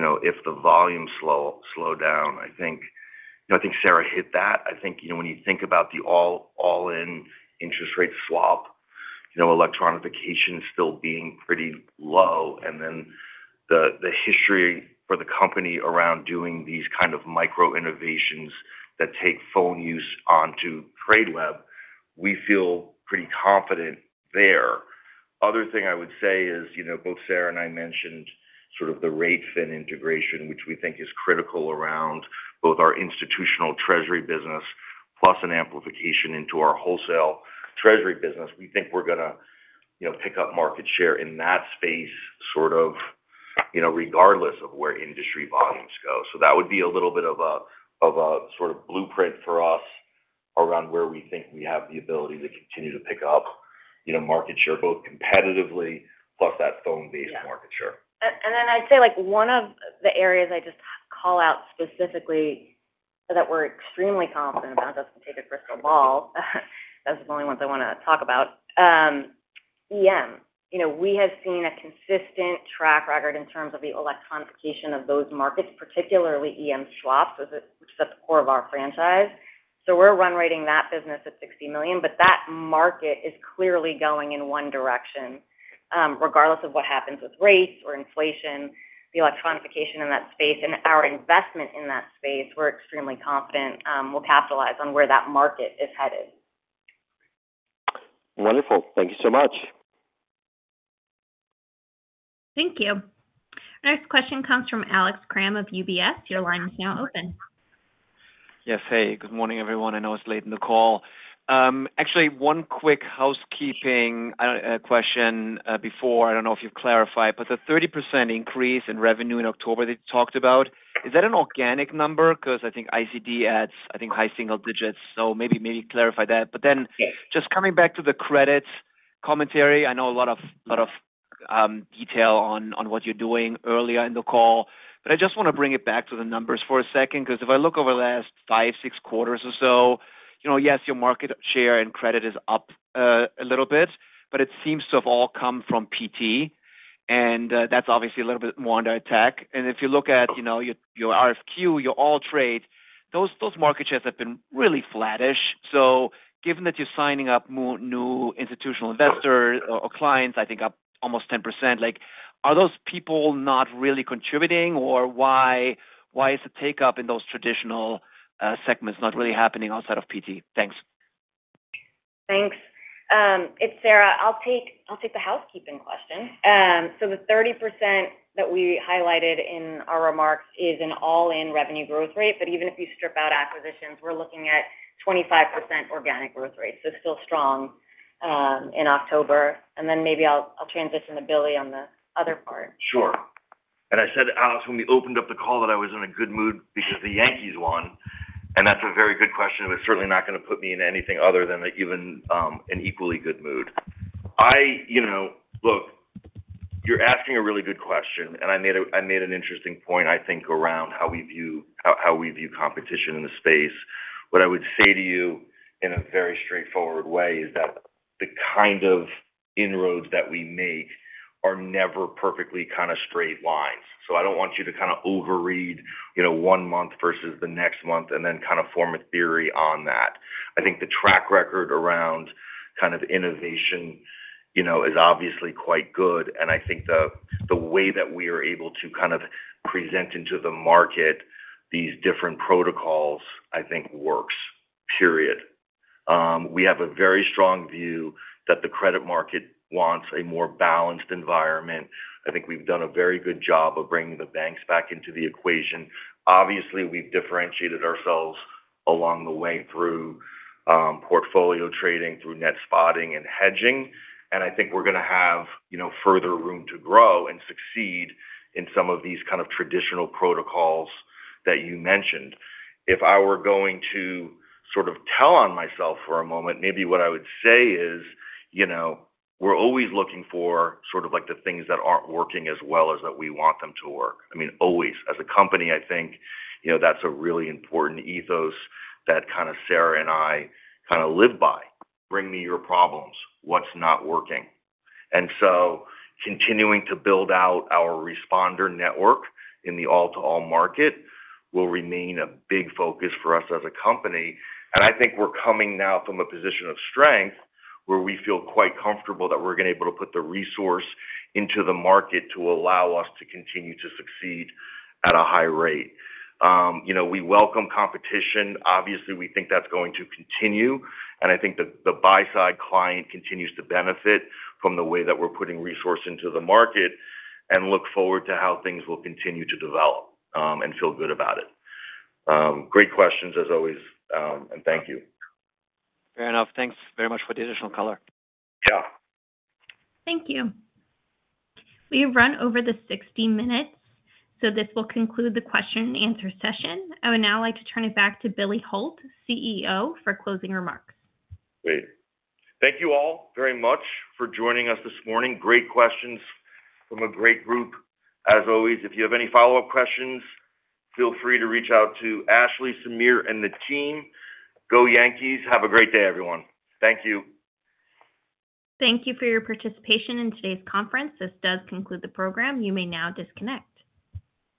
S3: the volume slowed down. I think Sara hit that. I think when you think about the all-in interest rate swap, electronification is still being pretty low. And then the history for the company around doing these kind of micro innovations that take phone use onto Tradeweb, we feel pretty confident there. Other thing I would say is both Sara and I mentioned sort of the r8fin integration, which we think is critical around both our institutional Treasury business plus an amplification into our wholesale Treasury business. We think we're going to pick up market share in that space sort of regardless of where industry volumes go. So that would be a little bit of a sort of blueprint for us around where we think we have the ability to continue to pick up market share both competitively plus that phone-based market share.
S4: And then I'd say one of the areas I just call out specifically that we're extremely confident about, just to take a crystal ball, that's the only ones I want to talk about, EM. We have seen a consistent track record in terms of the electronification of those markets, particularly EM swaps, which is at the core of our franchise. So we're run rating that business at $60 million, but that market is clearly going in one direction. Regardless of what happens with rates or inflation, the electronification in that space and our investment in that space, we're extremely confident we'll capitalize on where that market is headed.
S14: Wonderful. Thank you so much.
S1: Thank you. Our next question comes from Alex Kramm of UBS. Your line is now open.
S15: Yes. Hey, good morning, everyone. I know it's late in the call. Actually, one quick housekeeping question before. I don't know if you've clarified, but the 30% increase in revenue in October that you talked about, is that an organic number? Because I think ICD adds, I think, high single digits. So maybe clarify that. But then just coming back to the credit commentary, I know a lot of detail on what you're doing earlier in the call, but I just want to bring it back to the numbers for a second. Because if I look over the last five, six quarters or so, yes, your market share in credit is up a little bit, but it seems to have all come from PT. And that's obviously a little bit more under attack. And if you look at your RFQ, your AllTrade, those market shares have been really flattish. So given that you're signing up new institutional investors or clients, I think up almost 10%, are those people not really contributing or why is the take-up in those traditional segments not really happening outside of PT? Thanks.
S4: Thanks. It's Sara. I'll take the housekeeping question. So the 30% that we highlighted in our remarks is an all-in revenue growth rate. But even if you strip out acquisitions, we're looking at 25% organic growth rate. So still strong in October. And then maybe I'll transition to Billy on the other part.
S3: Sure. And I said, Alex, when we opened up the call that I was in a good mood because the Yankees won. And that's a very good question. It was certainly not going to put me in anything other than even an equally good mood. Look, you're asking a really good question, and I made an interesting point, I think, around how we view competition in the space. What I would say to you in a very straightforward way is that the kind of inroads that we make are never perfectly kind of straight lines. So I don't want you to kind of overread one month versus the next month and then kind of form a theory on that. I think the track record around kind of innovation is obviously quite good. And I think the way that we are able to kind of present into the market these different protocols, I think, works, period. We have a very strong view that the credit market wants a more balanced environment. I think we've done a very good job of bringing the banks back into the equation. Obviously, we've differentiated ourselves along the way through portfolio trading, through net spotting and hedging. And I think we're going to have further room to grow and succeed in some of these kind of traditional protocols that you mentioned. If I were going to sort of tell on myself for a moment, maybe what I would say is we're always looking for sort of the things that aren't working as well as that we want them to work. I mean, always. As a company, I think that's a really important ethos that kind of Sara and I kind of live by. Bring me your problems. What's not working? And so continuing to build out our responder network in the all-to-all market will remain a big focus for us as a company. And I think we're coming now from a position of strength where we feel quite comfortable that we're going to be able to put the resource into the market to allow us to continue to succeed at a high rate. We welcome competition. Obviously, we think that's going to continue. And I think the buy-side client continues to benefit from the way that we're putting resource into the market and look forward to how things will continue to develop and feel good about it. Great questions, as always. And thank you.
S15: Fair enough. Thanks very much for the additional color.
S1: Yeah. Thank you. We have run over the 60 minutes, so this will conclude the question-and-answer session. I would now like to turn it back to Billy Hult, CEO, for closing remarks.
S3: Great. Thank you all very much for joining us this morning. Great questions from a great group. As always, if you have any follow-up questions, feel free to reach out to Ashley, Samir, and the team. Go, Yankees. Have a great day, everyone. Thank you.
S1: Thank you for your participation in today's conference. This does conclude the program. You may now disconnect.